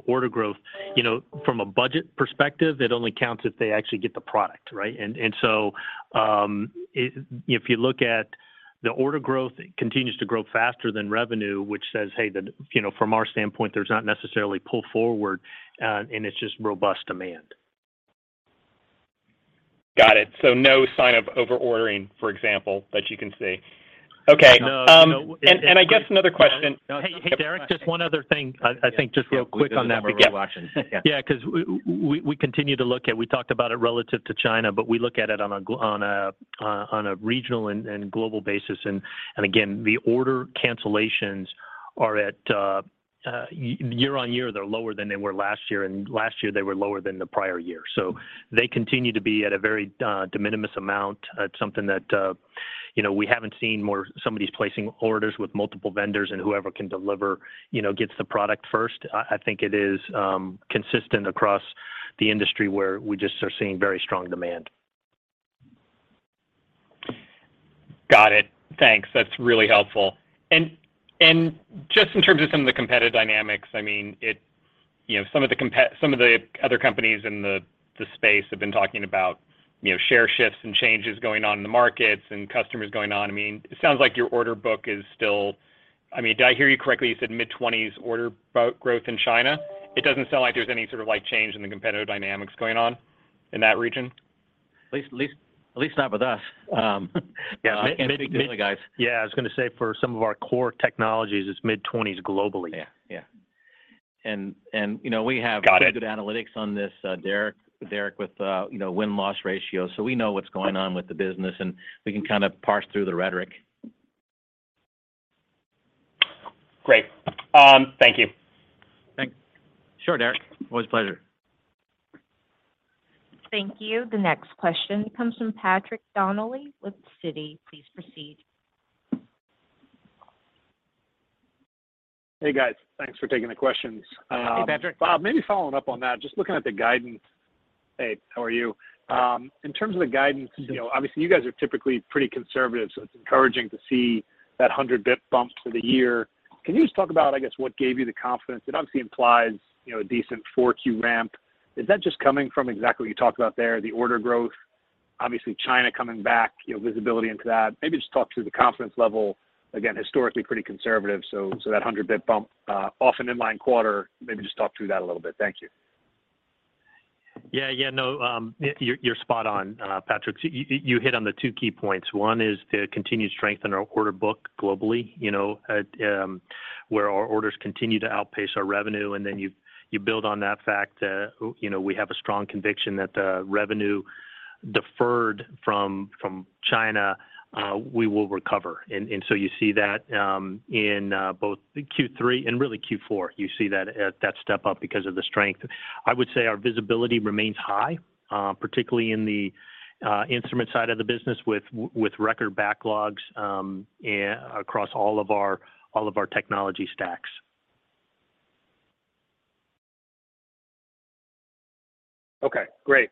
Speaker 4: order growth you know from a budget perspective it only counts if they actually get the product right? If you look at the order growth it continues to grow faster than revenue which says hey the you know from our standpoint there's not necessarily pull forward and it's just robust demand.
Speaker 12: Got it. No sign of over-ordering, for example, that you can see. Okay.
Speaker 3: No. No.
Speaker 12: I guess another question.
Speaker 4: Hey, Derik, just one other thing. I think just real quick in that regard.
Speaker 3: Yeah. Quick on that before we watch him. Yeah.
Speaker 4: Yeah, 'cause we continue to look at, we talked about it relative to China, but we look at it on a regional and global basis. Again, the order cancellations are, year-on-year, lower than they were last year, and last year they were lower than the prior year. They continue to be at a very de minimis amount. It's something that, you know, we haven't seen where somebody's placing orders with multiple vendors and whoever can deliver, you know, gets the product first. I think it is consistent across the industry where we just are seeing very strong demand.
Speaker 12: Got it. Thanks. That's really helpful. Just in terms of some of the competitive dynamics, I mean, it, you know, some of the other companies in the space have been talking about, you know, share shifts and changes going on in the markets and customers going on. I mean, it sounds like your order book is still. I mean, do I hear you correctly, you said mid-20s% growth in China? It doesn't sound like there's any sort of, like, change in the competitive dynamics going on in that region.
Speaker 3: At least not with us.
Speaker 4: Yeah.
Speaker 3: I can't speak to the other guys.
Speaker 4: Yeah, I was gonna say for some of our core technologies, it's mid-20s globally.
Speaker 3: Yeah. You know, we have.
Speaker 12: Got it.
Speaker 3: Good analytics on this, Derik with, you know, win-loss ratio. We know what's going on with the business, and we can kind of parse through the rhetoric.
Speaker 12: Great. Thank you.
Speaker 3: Sure, Derek. Always a pleasure.
Speaker 1: Thank you. The next question comes from Patrick Donnelly with Citi. Please proceed.
Speaker 13: Hey, guys. Thanks for taking the questions.
Speaker 3: Hey, Patrick.
Speaker 13: Bob, maybe following up on that, just looking at the guidance. Hey, how are you? In terms of the guidance, you know, obviously you guys are typically pretty conservative, so it's encouraging to see that 100 basis points bump for the year. Can you just talk about, I guess, what gave you the confidence? It obviously implies, you know, a decent 4Q ramp. Is that just coming from exactly what you talked about there, the order growth, obviously China coming back, you know, visibility into that. Maybe just talk through the confidence level. Again, historically pretty conservative, so that 100 basis points bump, often in-line quarter, maybe just talk through that a little bit. Thank you.
Speaker 3: Yeah, no, you're spot on, Patrick. You hit on the two key points. One is the continued strength in our order book globally, you know, where our orders continue to outpace our revenue, and then you build on that fact, you know, we have a strong conviction that the revenue deferred from China we will recover. You see that in both Q3 and really Q4, you see that step up because of the strength. I would say our visibility remains high, particularly in the instrument side of the business with record backlogs across all of our technology stacks.
Speaker 13: Okay. Great.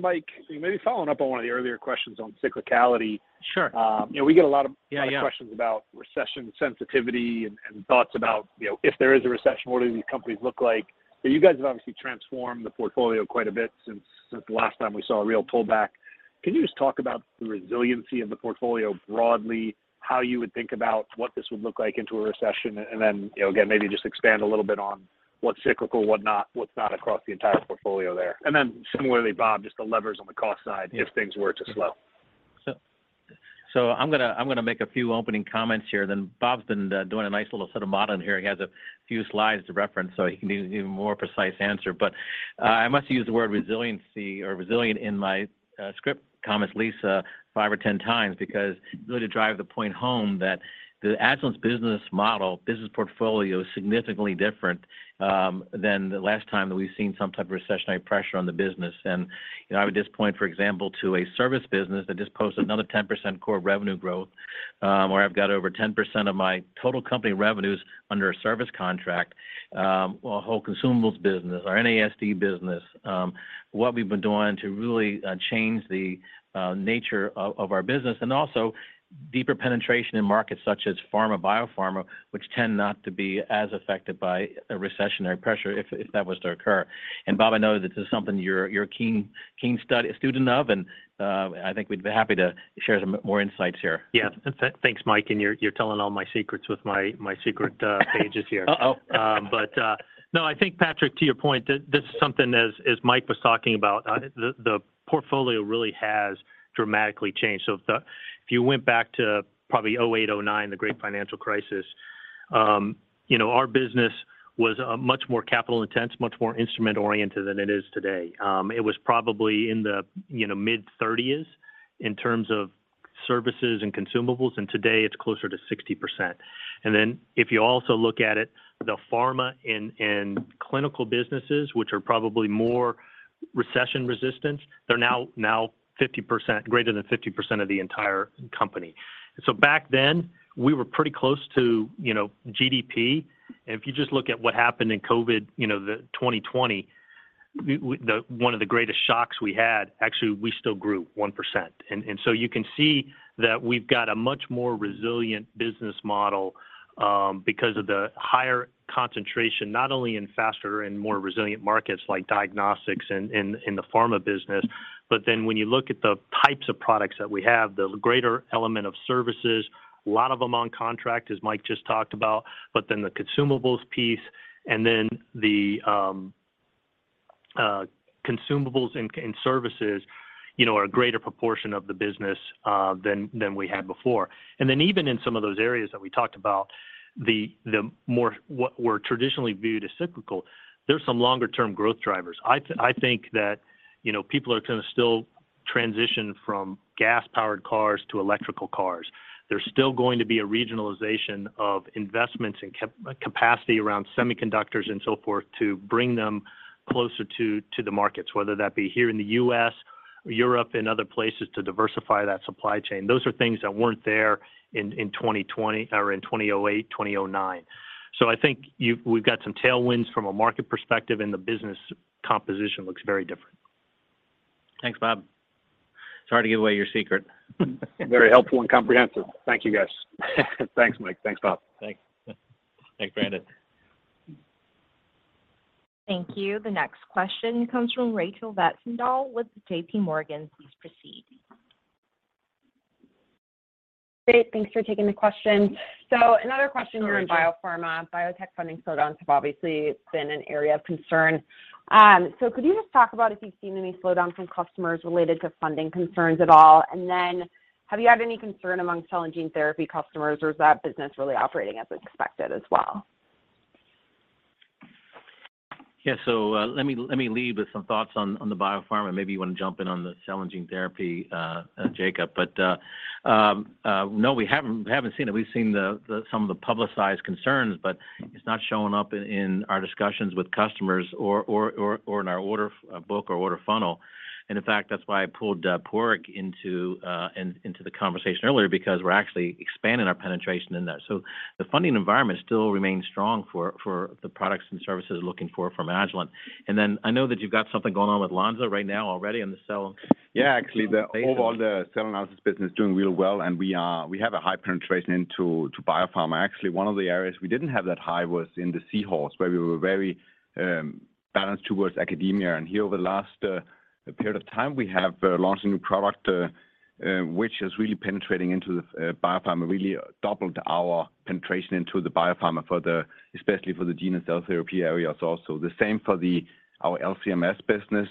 Speaker 13: Mike, maybe following up on one of the earlier questions on cyclicality.
Speaker 3: Sure.
Speaker 13: You know, we get a lot of
Speaker 3: Yeah. Yeah
Speaker 13: Questions about recession sensitivity and thoughts about, you know, if there is a recession, what do these companies look like? You guys have obviously transformed the portfolio quite a bit since the last time we saw a real pullback. Can you just talk about the resiliency of the portfolio broadly, how you would think about what this would look like into a recession? And then, you know, again, maybe just expand a little bit on what's cyclical, what's not across the entire portfolio there. And then similarly, Bob, just the levers on the cost side if things were to slow.
Speaker 3: I'm gonna make a few opening comments here, then Bob's been doing a nice little set of modeling here. He has a few slides to reference, so he can give an even more precise answer. I must use the word resiliency or resilient in my script comments, Lisa, five or 10 times because really to drive the point home that Agilent's business model, business portfolio is significantly different than the last time that we've seen some type of recessionary pressure on the business. You know, I would just point, for example, to a service business that just posted another 10% core revenue growth, where I've got over 10% of my total company revenues under a service contract, our whole consumables business, our NASD business, what we've been doing to really change the nature of our business, and also deeper penetration in markets such as pharma, biopharma, which tend not to be as affected by a recessionary pressure if that was to occur. Bob, I know this is something you're a keen student of, and I think we'd be happy to share some more insights here.
Speaker 4: Yeah. Thanks, Mike. You're telling all my secrets with my secret pages here.
Speaker 3: Uh-oh.
Speaker 4: No, I think, Patrick, to your point, this is something as Mike was talking about, the portfolio really has dramatically changed. If you went back to probably 2008, 2009, the great financial crisis, you know, our business was much more capital-intensive, much more instrument-oriented than it is today. It was probably in the, you know, mid-30s in terms of services and consumables, and today it's closer to 60%. If you also look at it, the pharma and clinical businesses, which are probably more recession-resistant, they're now greater than 50% of the entire company. Back then, we were pretty close to, you know, GDP. If you just look at what happened in COVID, you know, the 2020, one of the greatest shocks we had, actually, we still grew 1%. So you can see that we've got a much more resilient business model, because of the higher concentration, not only in faster and more resilient markets like diagnostics and in the pharma business, but then when you look at the types of products that we have, the greater element of services, a lot of them on contract, as Mike just talked about. The consumables piece and then the consumables and services, you know, are a greater proportion of the business, than we had before. Even in some of those areas that we talked about, the more what were traditionally viewed as cyclical, there's some longer term growth drivers. I think that, you know, people are gonna still transition from gas-powered cars to electric cars. There's still going to be a regionalization of investments and capacity around semiconductors and so forth to bring them closer to the markets, whether that be here in the U.S., Europe, and other places to diversify that supply chain. Those are things that weren't there in 2020 or in 2008, 2009. I think we've got some tailwinds from a market perspective, and the business composition looks very different.
Speaker 3: Thanks, Bob. Sorry to give away your secret.
Speaker 13: Very helpful and comprehensive. Thank you, guys. Thanks, Mike. Thanks, Bob.
Speaker 3: Thanks. Thanks, Patrick.
Speaker 1: Thank you. The next question comes from Rachel Vatnsdal with JPMorgan. Please proceed.
Speaker 14: Great. Thanks for taking the question. Another question around biopharma. BioTek funding slowdowns have obviously been an area of concern. Could you just talk about if you've seen any slowdown from customers related to funding concerns at all? Then have you had any concern amongst cell and gene therapy customers, or is that business really operating as expected as well?
Speaker 3: Yeah. Let me lead with some thoughts on the biopharma, and maybe you want to jump in on the cell and gene therapy, Jacob. No, we haven't seen it. We've seen some of the publicized concerns, but it's not showing up in our discussions with customers or in our order book or order funnel. In fact, that's why I pulled Padraig into the conversation earlier because we're actually expanding our penetration in there. The funding environment still remains strong for the products and services we're looking for from Agilent. Then I know that you've got something going on with Lonza right now already on the cell.
Speaker 6: Yeah. Actually, the overall cell analysis business doing really well, and we have a high penetration into biopharma. Actually, one of the areas we didn't have that high was in the Seahorse, where we were very balanced towards academia. Here over the last period of time, we have launched a new product which is really penetrating into the biopharma, really doubled our penetration into the biopharma especially for the gene and cell therapy areas also. The same for our LC-MS business,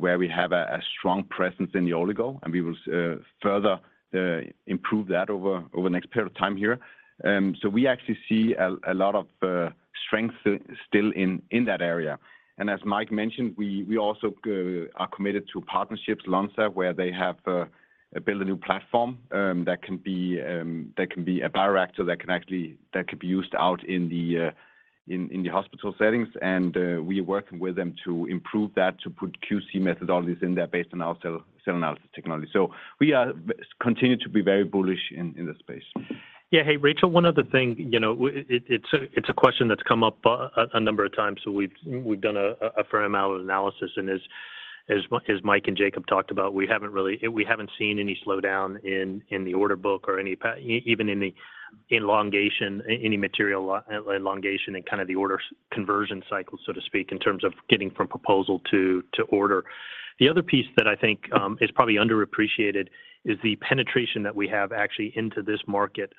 Speaker 6: where we have a strong presence in the oligo, and we will further improve that over the next period of time here. We actually see a lot of strength still in that area. As Mike mentioned, we also are committed to partnerships, Lonza, where they have built a new platform that can be directed that could be used out in the in the hospital settings. We're working with them to improve that, to put QC methodologies in there based on our cell analysis technology. We continue to be very bullish in this space.
Speaker 4: Yeah. Hey, Rachel, one other thing, you know, it's a question that's come up a number of times. We've done a fair amount of analysis, and as Mike and Jacob talked about, we haven't seen any slowdown in the order book or any pattern even in the elongation, any material elongation in kind of the order conversion cycle, so to speak, in terms of getting from proposal to order. The other piece that I think is probably underappreciated is the penetration that we have actually into this market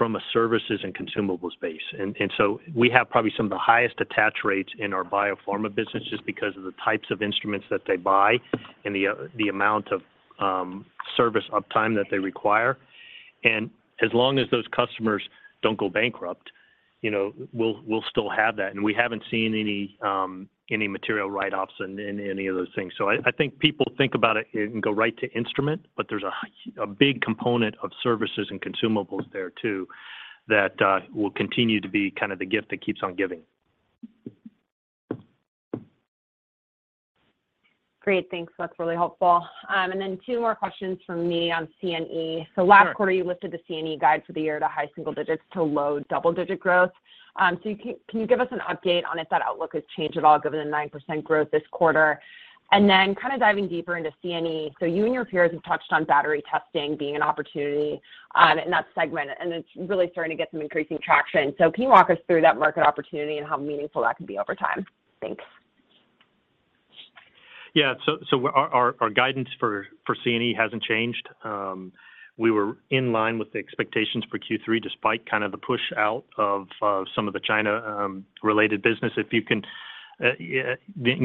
Speaker 4: from a services and consumables space. We have probably some of the highest attach rates in our biopharma business just because of the types of instruments that they buy and the amount of service uptime that they require. As long as those customers don't go bankrupt, you know, we'll still have that. We haven't seen any material write-offs in any of those things. I think people think about it and go right to instrument, but there's a big component of services and consumables there too that will continue to be kind of the gift that keeps on giving.
Speaker 14: Great. Thanks. That's really helpful. Two more questions from me on C&E.
Speaker 4: Sure.
Speaker 14: Last quarter, you lifted the C&E guide for the year to high single digits to low double-digit growth. Can you give us an update on if that outlook has changed at all given the 9% growth this quarter? Kind of diving deeper into C&E, you and your peers have touched on battery testing being an opportunity in that segment, and it's really starting to get some increasing traction. Can you walk us through that market opportunity and how meaningful that could be over time? Thanks.
Speaker 4: Our guidance for C&E hasn't changed. We were in line with the expectations for Q3, despite kind of the push out of some of the China related business. If you can you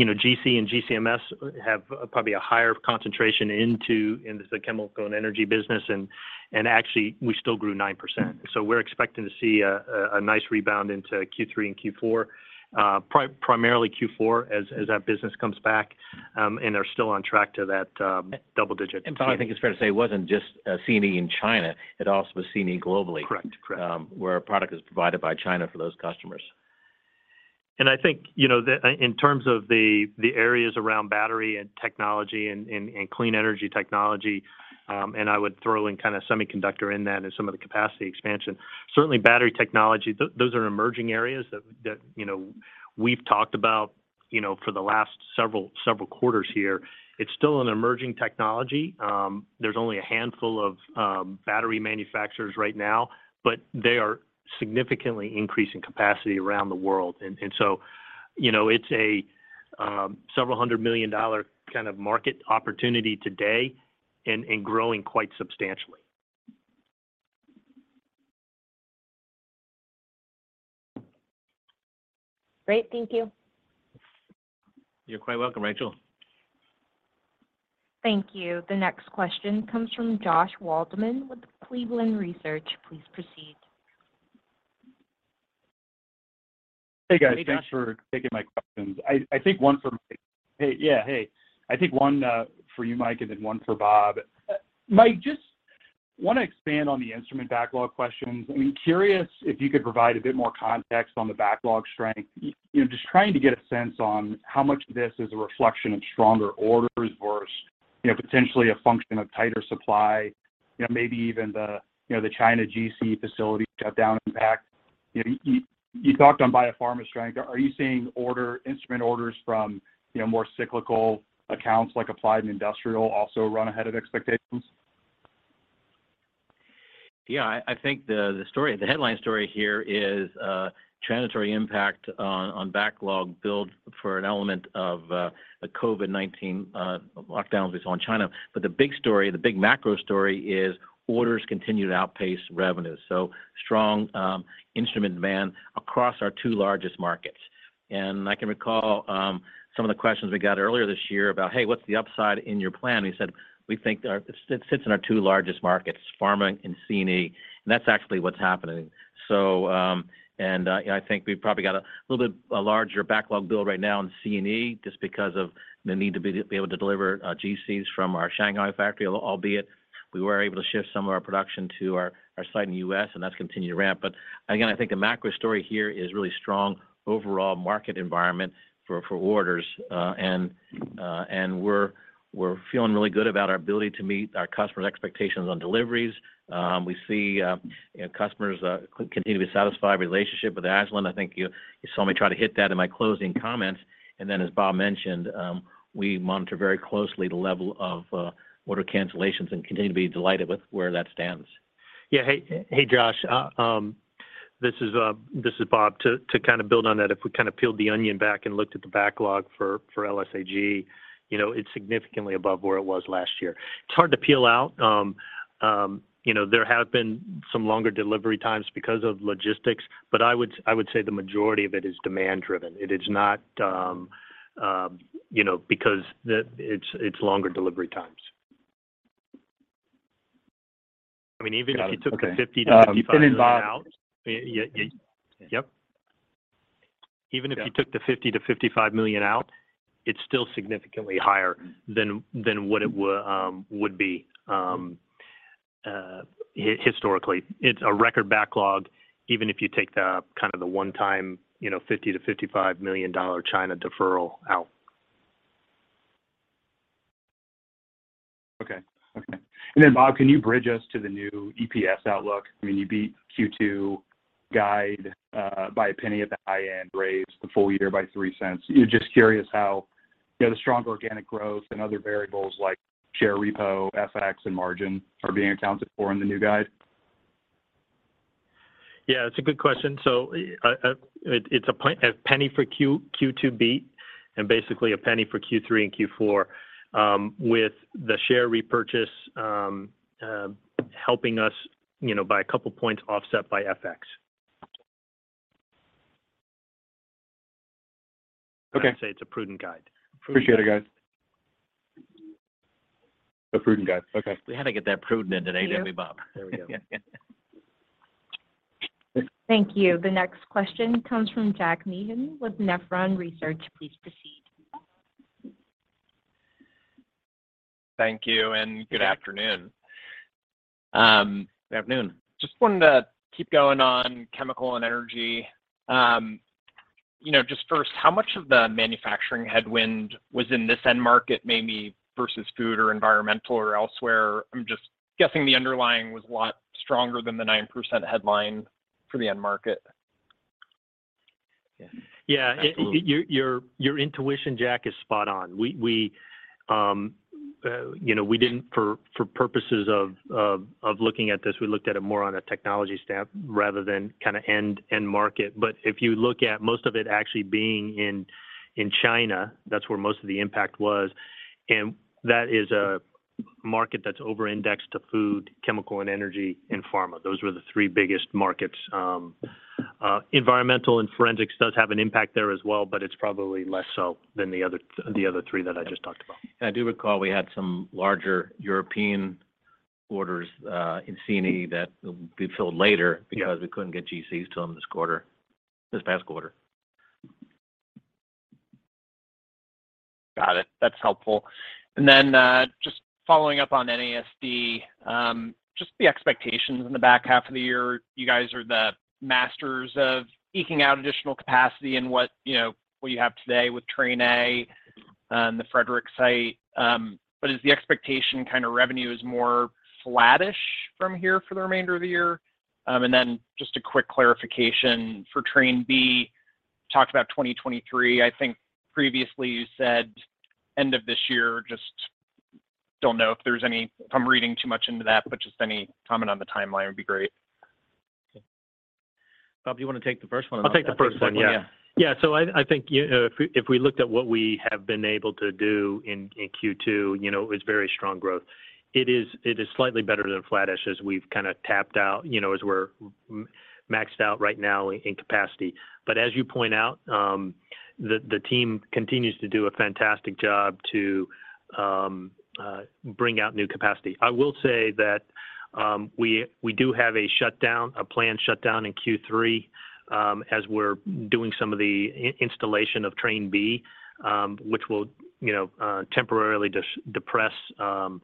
Speaker 4: know, GC and GC-MS have probably a higher concentration into the chemical and energy business and actually we still grew 9%. We're expecting to see a nice rebound into Q3 and Q4, primarily Q4 as that business comes back, and are still on track to that double digit.
Speaker 3: Bob, I think it's fair to say it wasn't just C&E in China, it also was C&E globally.
Speaker 4: Correct.
Speaker 3: -where our product is provided by China for those customers.
Speaker 4: I think, you know, in terms of the areas around battery and technology and clean energy technology, and I would throw in kind of semiconductor in that and some of the capacity expansion. Certainly battery technology, those are emerging areas that you know, we've talked about, you know, for the last several quarters here. It's still an emerging technology. There's only a handful of battery manufacturers right now, but they are significantly increasing capacity around the world. You know, it's a several $100 million kind of market opportunity today and growing quite substantially.
Speaker 14: Great. Thank you.
Speaker 3: You're quite welcome, Rachel.
Speaker 1: Thank you. The next question comes from Josh Waldman with Cleveland Research. Please proceed.
Speaker 15: Hey, guys.
Speaker 3: Hey, Josh.
Speaker 15: Thanks for taking my questions. I think one for you, Mike, and then one for Bob. Mike, just wanna expand on the instrument backlog questions. I mean, curious if you could provide a bit more context on the backlog strength. You know, just trying to get a sense on how much of this is a reflection of stronger orders versus, you know, potentially a function of tighter supply, you know, maybe even the China GC facility shutdown impact. You know, you talked on biopharma strength. Are you seeing instrument orders from, you know, more cyclical accounts like applied industrial also run ahead of expectations?
Speaker 3: Yeah. I think the story, the headline story here is transitory impact on backlog build for an element of a COVID-19 lockdowns in China. The big story, the big macro story is orders continue to outpace revenues. Strong instrument demand across our two largest markets. I can recall Some of the questions we got earlier this year about, "Hey, what's the upside in your plan?" We said we think it sits in our two largest markets, pharma and C&E. That's actually what's happening. I think we've probably got a little bit larger backlog build right now in C&E just because of the need to be able to deliver GCs from our Shanghai factory. Albeit we were able to shift some of our production to our site in the US, and that's continued to ramp. Again, I think the macro story here is really strong overall market environment for orders. We're feeling really good about our ability to meet our customers' expectations on deliveries. We see, you know, customers continue to be satisfied with the relationship with Agilent. I think you saw me try to hit that in my closing comments. As Bob mentioned, we monitor very closely the level of order cancellations and continue to be delighted with where that stands.
Speaker 4: Yeah. Hey, Josh. This is Bob. To kind of build on that, if we kind of peeled the onion back and looked at the backlog for LSAG, you know, it's significantly above where it was last year. It's hard to peel out. You know, there have been some longer delivery times because of logistics, but I would say the majority of it is demand driven. It is not because it's longer delivery times.
Speaker 3: I mean, even if you took the $50 million-$55 million out.
Speaker 6: Bob-
Speaker 3: Yeah, yeah. Yep. Even if you took the $50-$55 million out, it's still significantly higher than what it would be, historically. It's a record backlog, even if you take the one-time, you know, $50-$55 million China deferral out.
Speaker 15: Okay. Okay. Bob, can you bridge us to the new EPS outlook? I mean, you beat Q2 guide by $0.01 at the high end, raised the full year by $0.03. Just curious how, you know, the strong organic growth and other variables like share repo, FX and margin are being accounted for in the new guide.
Speaker 4: Yeah, it's a good question. It's $0.01 for Q2 beat and basically $0.01 for Q3 and Q4, with the share repurchase helping us, you know, by a couple points offset by FX.
Speaker 15: Okay.
Speaker 4: I'd say it's a prudent guide.
Speaker 15: Appreciate it, guys. A prudent guide. Okay.
Speaker 3: We had to get that prudent in today, didn't we, Bob?
Speaker 4: There we go.
Speaker 1: Thank you. The next question comes from Jack Meehan with Nephron Research. Please proceed.
Speaker 16: Thank you and good afternoon.
Speaker 3: Good afternoon.
Speaker 16: Just wanted to keep going on chemical and energy. You know, just first, how much of the manufacturing headwind was in this end market maybe versus food or environmental or elsewhere? I'm just guessing the underlying was a lot stronger than the 9% headline for the end market.
Speaker 3: Yeah.
Speaker 4: Yeah. Your intuition, Jack, is spot on. You know, for purposes of looking at this, we looked at it more on a technology stamp rather than kind of end market. But if you look at most of it actually being in China, that's where most of the impact was. That is a market that's over-indexed to food, chemical and energy, and pharma. Those were the three biggest markets. Environmental and forensics does have an impact there as well, but it's probably less so than the other three that I just talked about.
Speaker 3: I do recall we had some larger European orders in C&E that will be filled later.
Speaker 4: Yeah
Speaker 3: -because we couldn't get GCs to them this quarter, this past quarter.
Speaker 16: Got it. That's helpful. Just following up on NASD, just the expectations in the back half of the year. You guys are the masters of eking out additional capacity and, you know, what you have today with Train A and the Frederick site. Is the expectation kind of revenue is more flattish from here for the remainder of the year? Just a quick clarification. For Train B, talked about 2023. I think previously you said end of this year. Just don't know if I'm reading too much into that, but just any comment on the timeline would be great.
Speaker 3: Bob, you want to take the first one?
Speaker 4: I'll take the first one. Yeah.
Speaker 3: Yeah.
Speaker 4: Yeah. I think, you know, if we looked at what we have been able to do in Q2, you know, it was very strong growth. It is slightly better than flattish as we've kind of tapped out, you know, as we're maxed out right now in capacity. As you point out, the team continues to do a fantastic job to bring out new capacity. I will say that we do have a shutdown, a planned shutdown in Q3, as we're doing some of the installation of Train B, which will, you know, temporarily depress the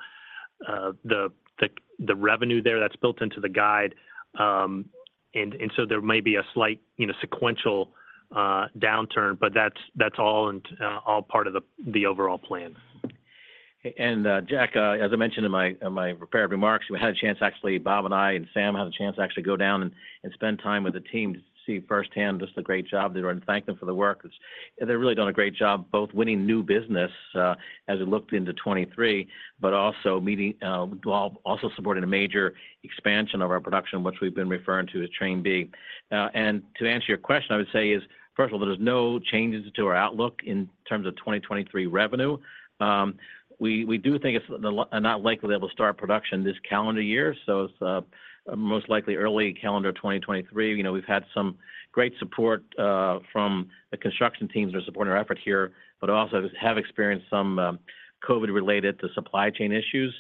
Speaker 4: revenue there. That's built into the guide. There may be a slight, you know, sequential downturn, but that's all part of the overall plan.
Speaker 3: Jack, as I mentioned in my prepared remarks, we had a chance, Bob and I and Sam, to go down and spend time with the team to see firsthand just the great job they're doing. Thank them for the work. They've really done a great job both winning new business as we look to 2023, but also supporting a major expansion of our production, which we've been referring to as Train B. To answer your question, I would say, first of all, there's no changes to our outlook in terms of 2023 revenue. We do think it's not likely they will start production this calendar year, so it's most likely early calendar 2023. You know, we've had some great support from the construction teams that are supporting our effort here, but also have experienced some COVID-related supply chain issues.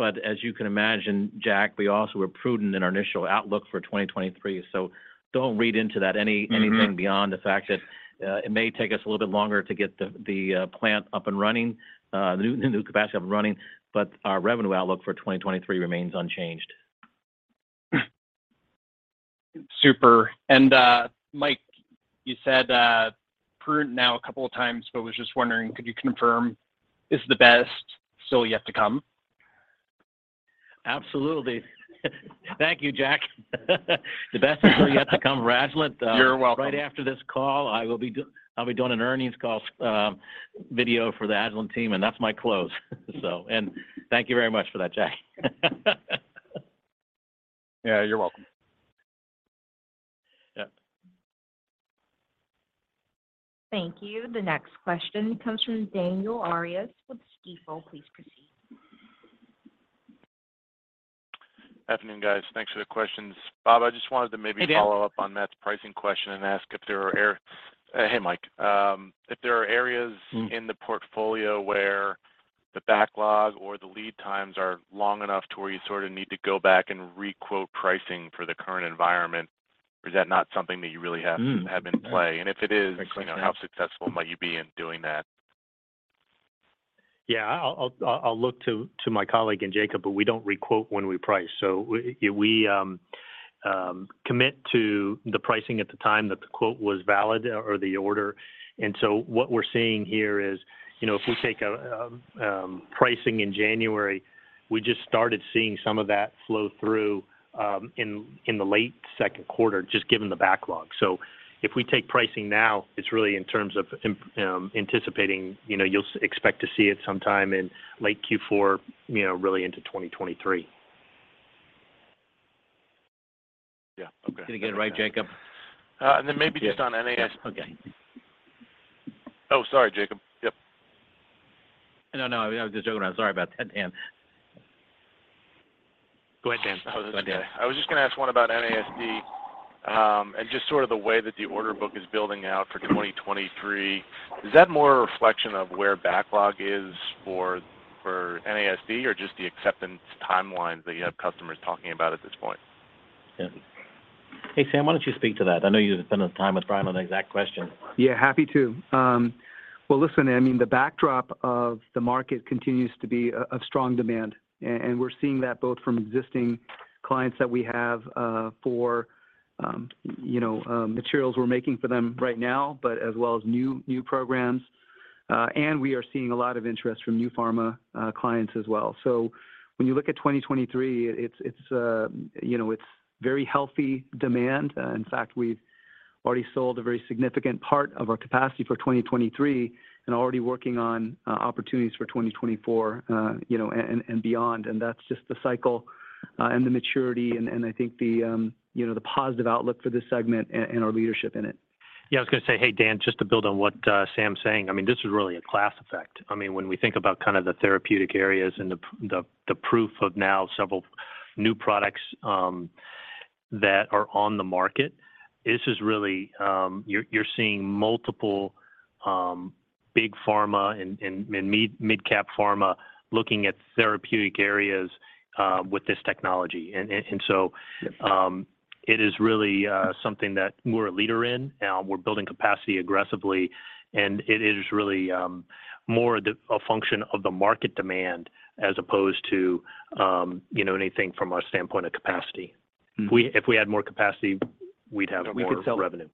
Speaker 3: As you can imagine, Jack, we also were prudent in our initial outlook for 2023. Don't read into that any
Speaker 16: Mm-hmm...
Speaker 3: anything beyond the fact that it may take us a little bit longer to get the plant up and running, the new capacity up and running. Our revenue outlook for 2023 remains unchanged.
Speaker 16: Super. Mike, you said prudent now a couple of times, but was just wondering, could you confirm is the best still yet to come?
Speaker 3: Absolutely. Thank you, Jack. The best is still yet to come for Agilent.
Speaker 16: You're welcome.
Speaker 3: Right after this call, I'll be doing an earnings call video for the Agilent team, and that's my close. Thank you very much for that, Jack.
Speaker 16: Yeah, you're welcome. Yep.
Speaker 1: Thank you. The next question comes from Daniel Arias with Stifel. Please proceed.
Speaker 17: Afternoon, guys. Thanks for the questions. Bob, I just wanted to maybe.
Speaker 3: Hey, Dan....
Speaker 17: follow up on Matt's pricing question and ask, hey, Mike, if there are areas-
Speaker 3: Mm
Speaker 17: In the portfolio where the backlog or the lead times are long enough to where you sort of need to go back and re-quote pricing for the current environment, or is that not something that you really have?
Speaker 3: Mm.
Speaker 17: Have in play?
Speaker 3: Great question.
Speaker 17: You know, how successful might you be in doing that?
Speaker 4: Yeah, I'll look to my colleague and Jacob, but we don't re-quote when we price. We commit to the pricing at the time that the quote was valid or the order. What we're seeing here is, you know, if we take pricing in January, we just started seeing some of that flow through in the late second quarter, just given the backlog. If we take pricing now, it's really in terms of anticipating, you know, you'll expect to see it sometime in late Q4, you know, really into 2023.
Speaker 17: Yeah. Okay.
Speaker 3: Did I get it right, Jacob?
Speaker 17: Maybe just on NASD
Speaker 3: Okay.
Speaker 17: Oh, sorry, Jacob. Yep.
Speaker 3: No, no, I was just joking around. Sorry about that, Dan. Go ahead, Dan.
Speaker 17: I was just gonna ask one about NASD, and just sort of the way that the order book is building out for 2023. Is that more a reflection of where backlog is for NASD or just the acceptance timelines that you have customers talking about at this point?
Speaker 3: Yeah. Hey, Sam, why don't you speak to that? I know you've spent time with Brian on that exact question.
Speaker 10: Yeah, happy to. Well, listen, I mean, the backdrop of the market continues to be a strong demand. And we're seeing that both from existing clients that we have for you know, materials we're making for them right now, but as well as new programs. And we are seeing a lot of interest from new pharma clients as well. So when you look at 2023, it's you know, it's very healthy demand. In fact, we've already sold a very significant part of our capacity for 2023 and already working on opportunities for 2024, you know, and beyond. And that's just the cycle and the maturity and I think the you know, the positive outlook for this segment and our leadership in it.
Speaker 3: Yeah, I was gonna say, hey, Dan, just to build on what Sam's saying. I mean, this is really a class effect. I mean, when we think about kind of the therapeutic areas and the proof is now several new products that are on the market, this is really, you're seeing multiple big pharma and mid-cap pharma looking at therapeutic areas with this technology. It is really something that we're a leader in. We're building capacity aggressively, and it is really more a function of the market demand as opposed to, you know, anything from our standpoint of capacity.
Speaker 17: Mm.
Speaker 3: If we had more capacity, we'd have more-
Speaker 4: We could sell.
Speaker 3: -revenue.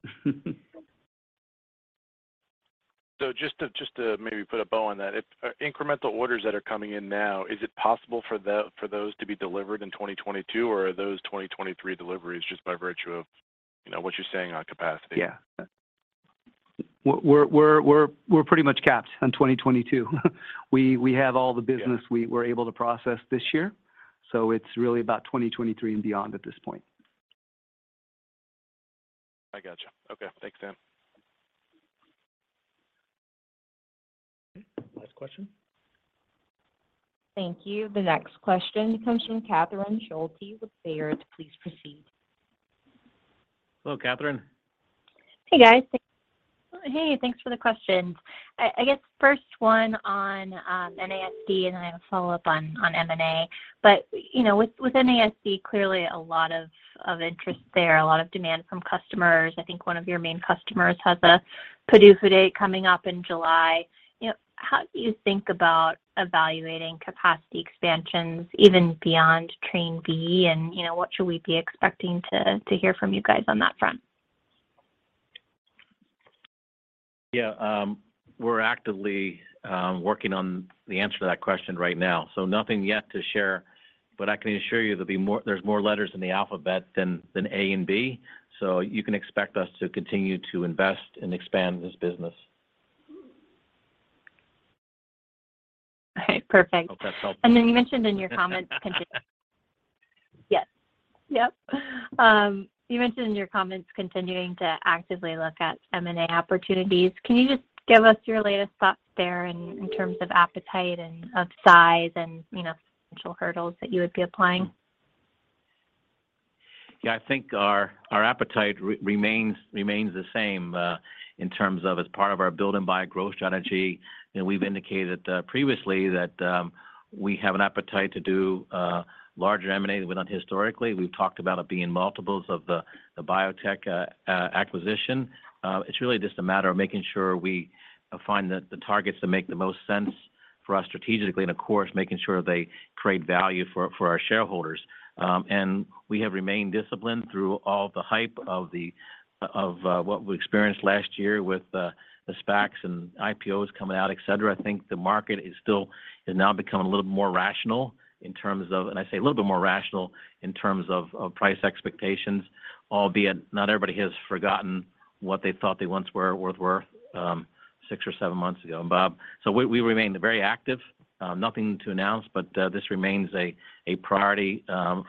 Speaker 17: Just to maybe put a bow on that, if incremental orders that are coming in now, is it possible for those to be delivered in 2022, or are those 2023 deliveries just by virtue of what you're saying on capacity?
Speaker 10: Yeah. We're pretty much capped on 2022. We have all the business.
Speaker 17: Yeah
Speaker 10: We were able to process this year, so it's really about 2023 and beyond at this point.
Speaker 17: I gotcha. Okay. Thanks, Sam.
Speaker 3: Last question.
Speaker 1: Thank you. The next question comes from Catherine Schulte with Baird. Please proceed.
Speaker 3: Hello, Catherine.
Speaker 18: Hey, guys. Hey, thanks for the questions. I guess first one on NASD, and then I have a follow-up on M&A. You know, with NASD, clearly a lot of interest there, a lot of demand from customers. I think one of your main customers has a PDUFA date coming up in July. You know, how do you think about evaluating capacity expansions even beyond Train B and what should we be expecting to hear from you guys on that front?
Speaker 3: Yeah. We're actively working on the answer to that question right now, so nothing yet to share, but I can assure you there'll be more. There's more letters in the alphabet than A and B. You can expect us to continue to invest and expand this business.
Speaker 18: All right, perfect.
Speaker 3: Hope that helps.
Speaker 18: You mentioned in your comments continuing to actively look at M&A opportunities. Can you just give us your latest thoughts there in terms of appetite and size and, you know, potential hurdles that you would be applying?
Speaker 3: Yeah, I think our appetite remains the same in terms of as part of our build and buy growth strategy. You know, we've indicated previously that we have an appetite to do larger M&A than we've done historically. We've talked about it being multiples of the BioTek acquisition. It's really just a matter of making sure we find the targets that make the most sense for us strategically and, of course, making sure they create value for our shareholders. We have remained disciplined through all the hype of what we experienced last year with the SPACs and IPOs coming out, et cetera. I think the market is now becoming a little bit more rational in terms of price expectations, albeit not everybody has forgotten what they thought they once were worth six or seven months ago. Bob. We remain very active. Nothing to announce, but this remains a priority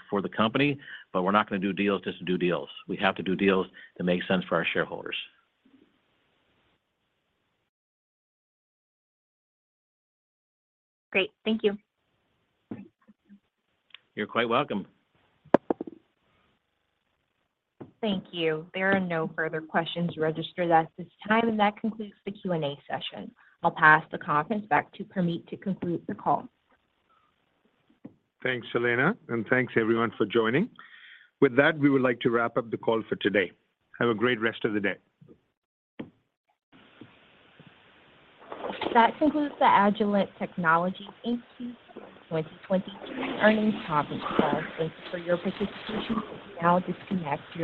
Speaker 3: for the company, but we're not gonna do deals just to do deals. We have to do deals that make sense for our shareholders.
Speaker 18: Great. Thank you.
Speaker 3: You're quite welcome.
Speaker 1: Thank you. There are no further questions registered at this time, and that concludes the Q&A session. I'll pass the conference back to Parmeet to conclude the call.
Speaker 2: Thanks, Selena. Thanks everyone for joining. With that, we would like to wrap up the call for today. Have a great rest of the day.
Speaker 1: That concludes the Agilent Technologies Q2 2022 earnings conference call. Thank you for your participation. You may now disconnect your-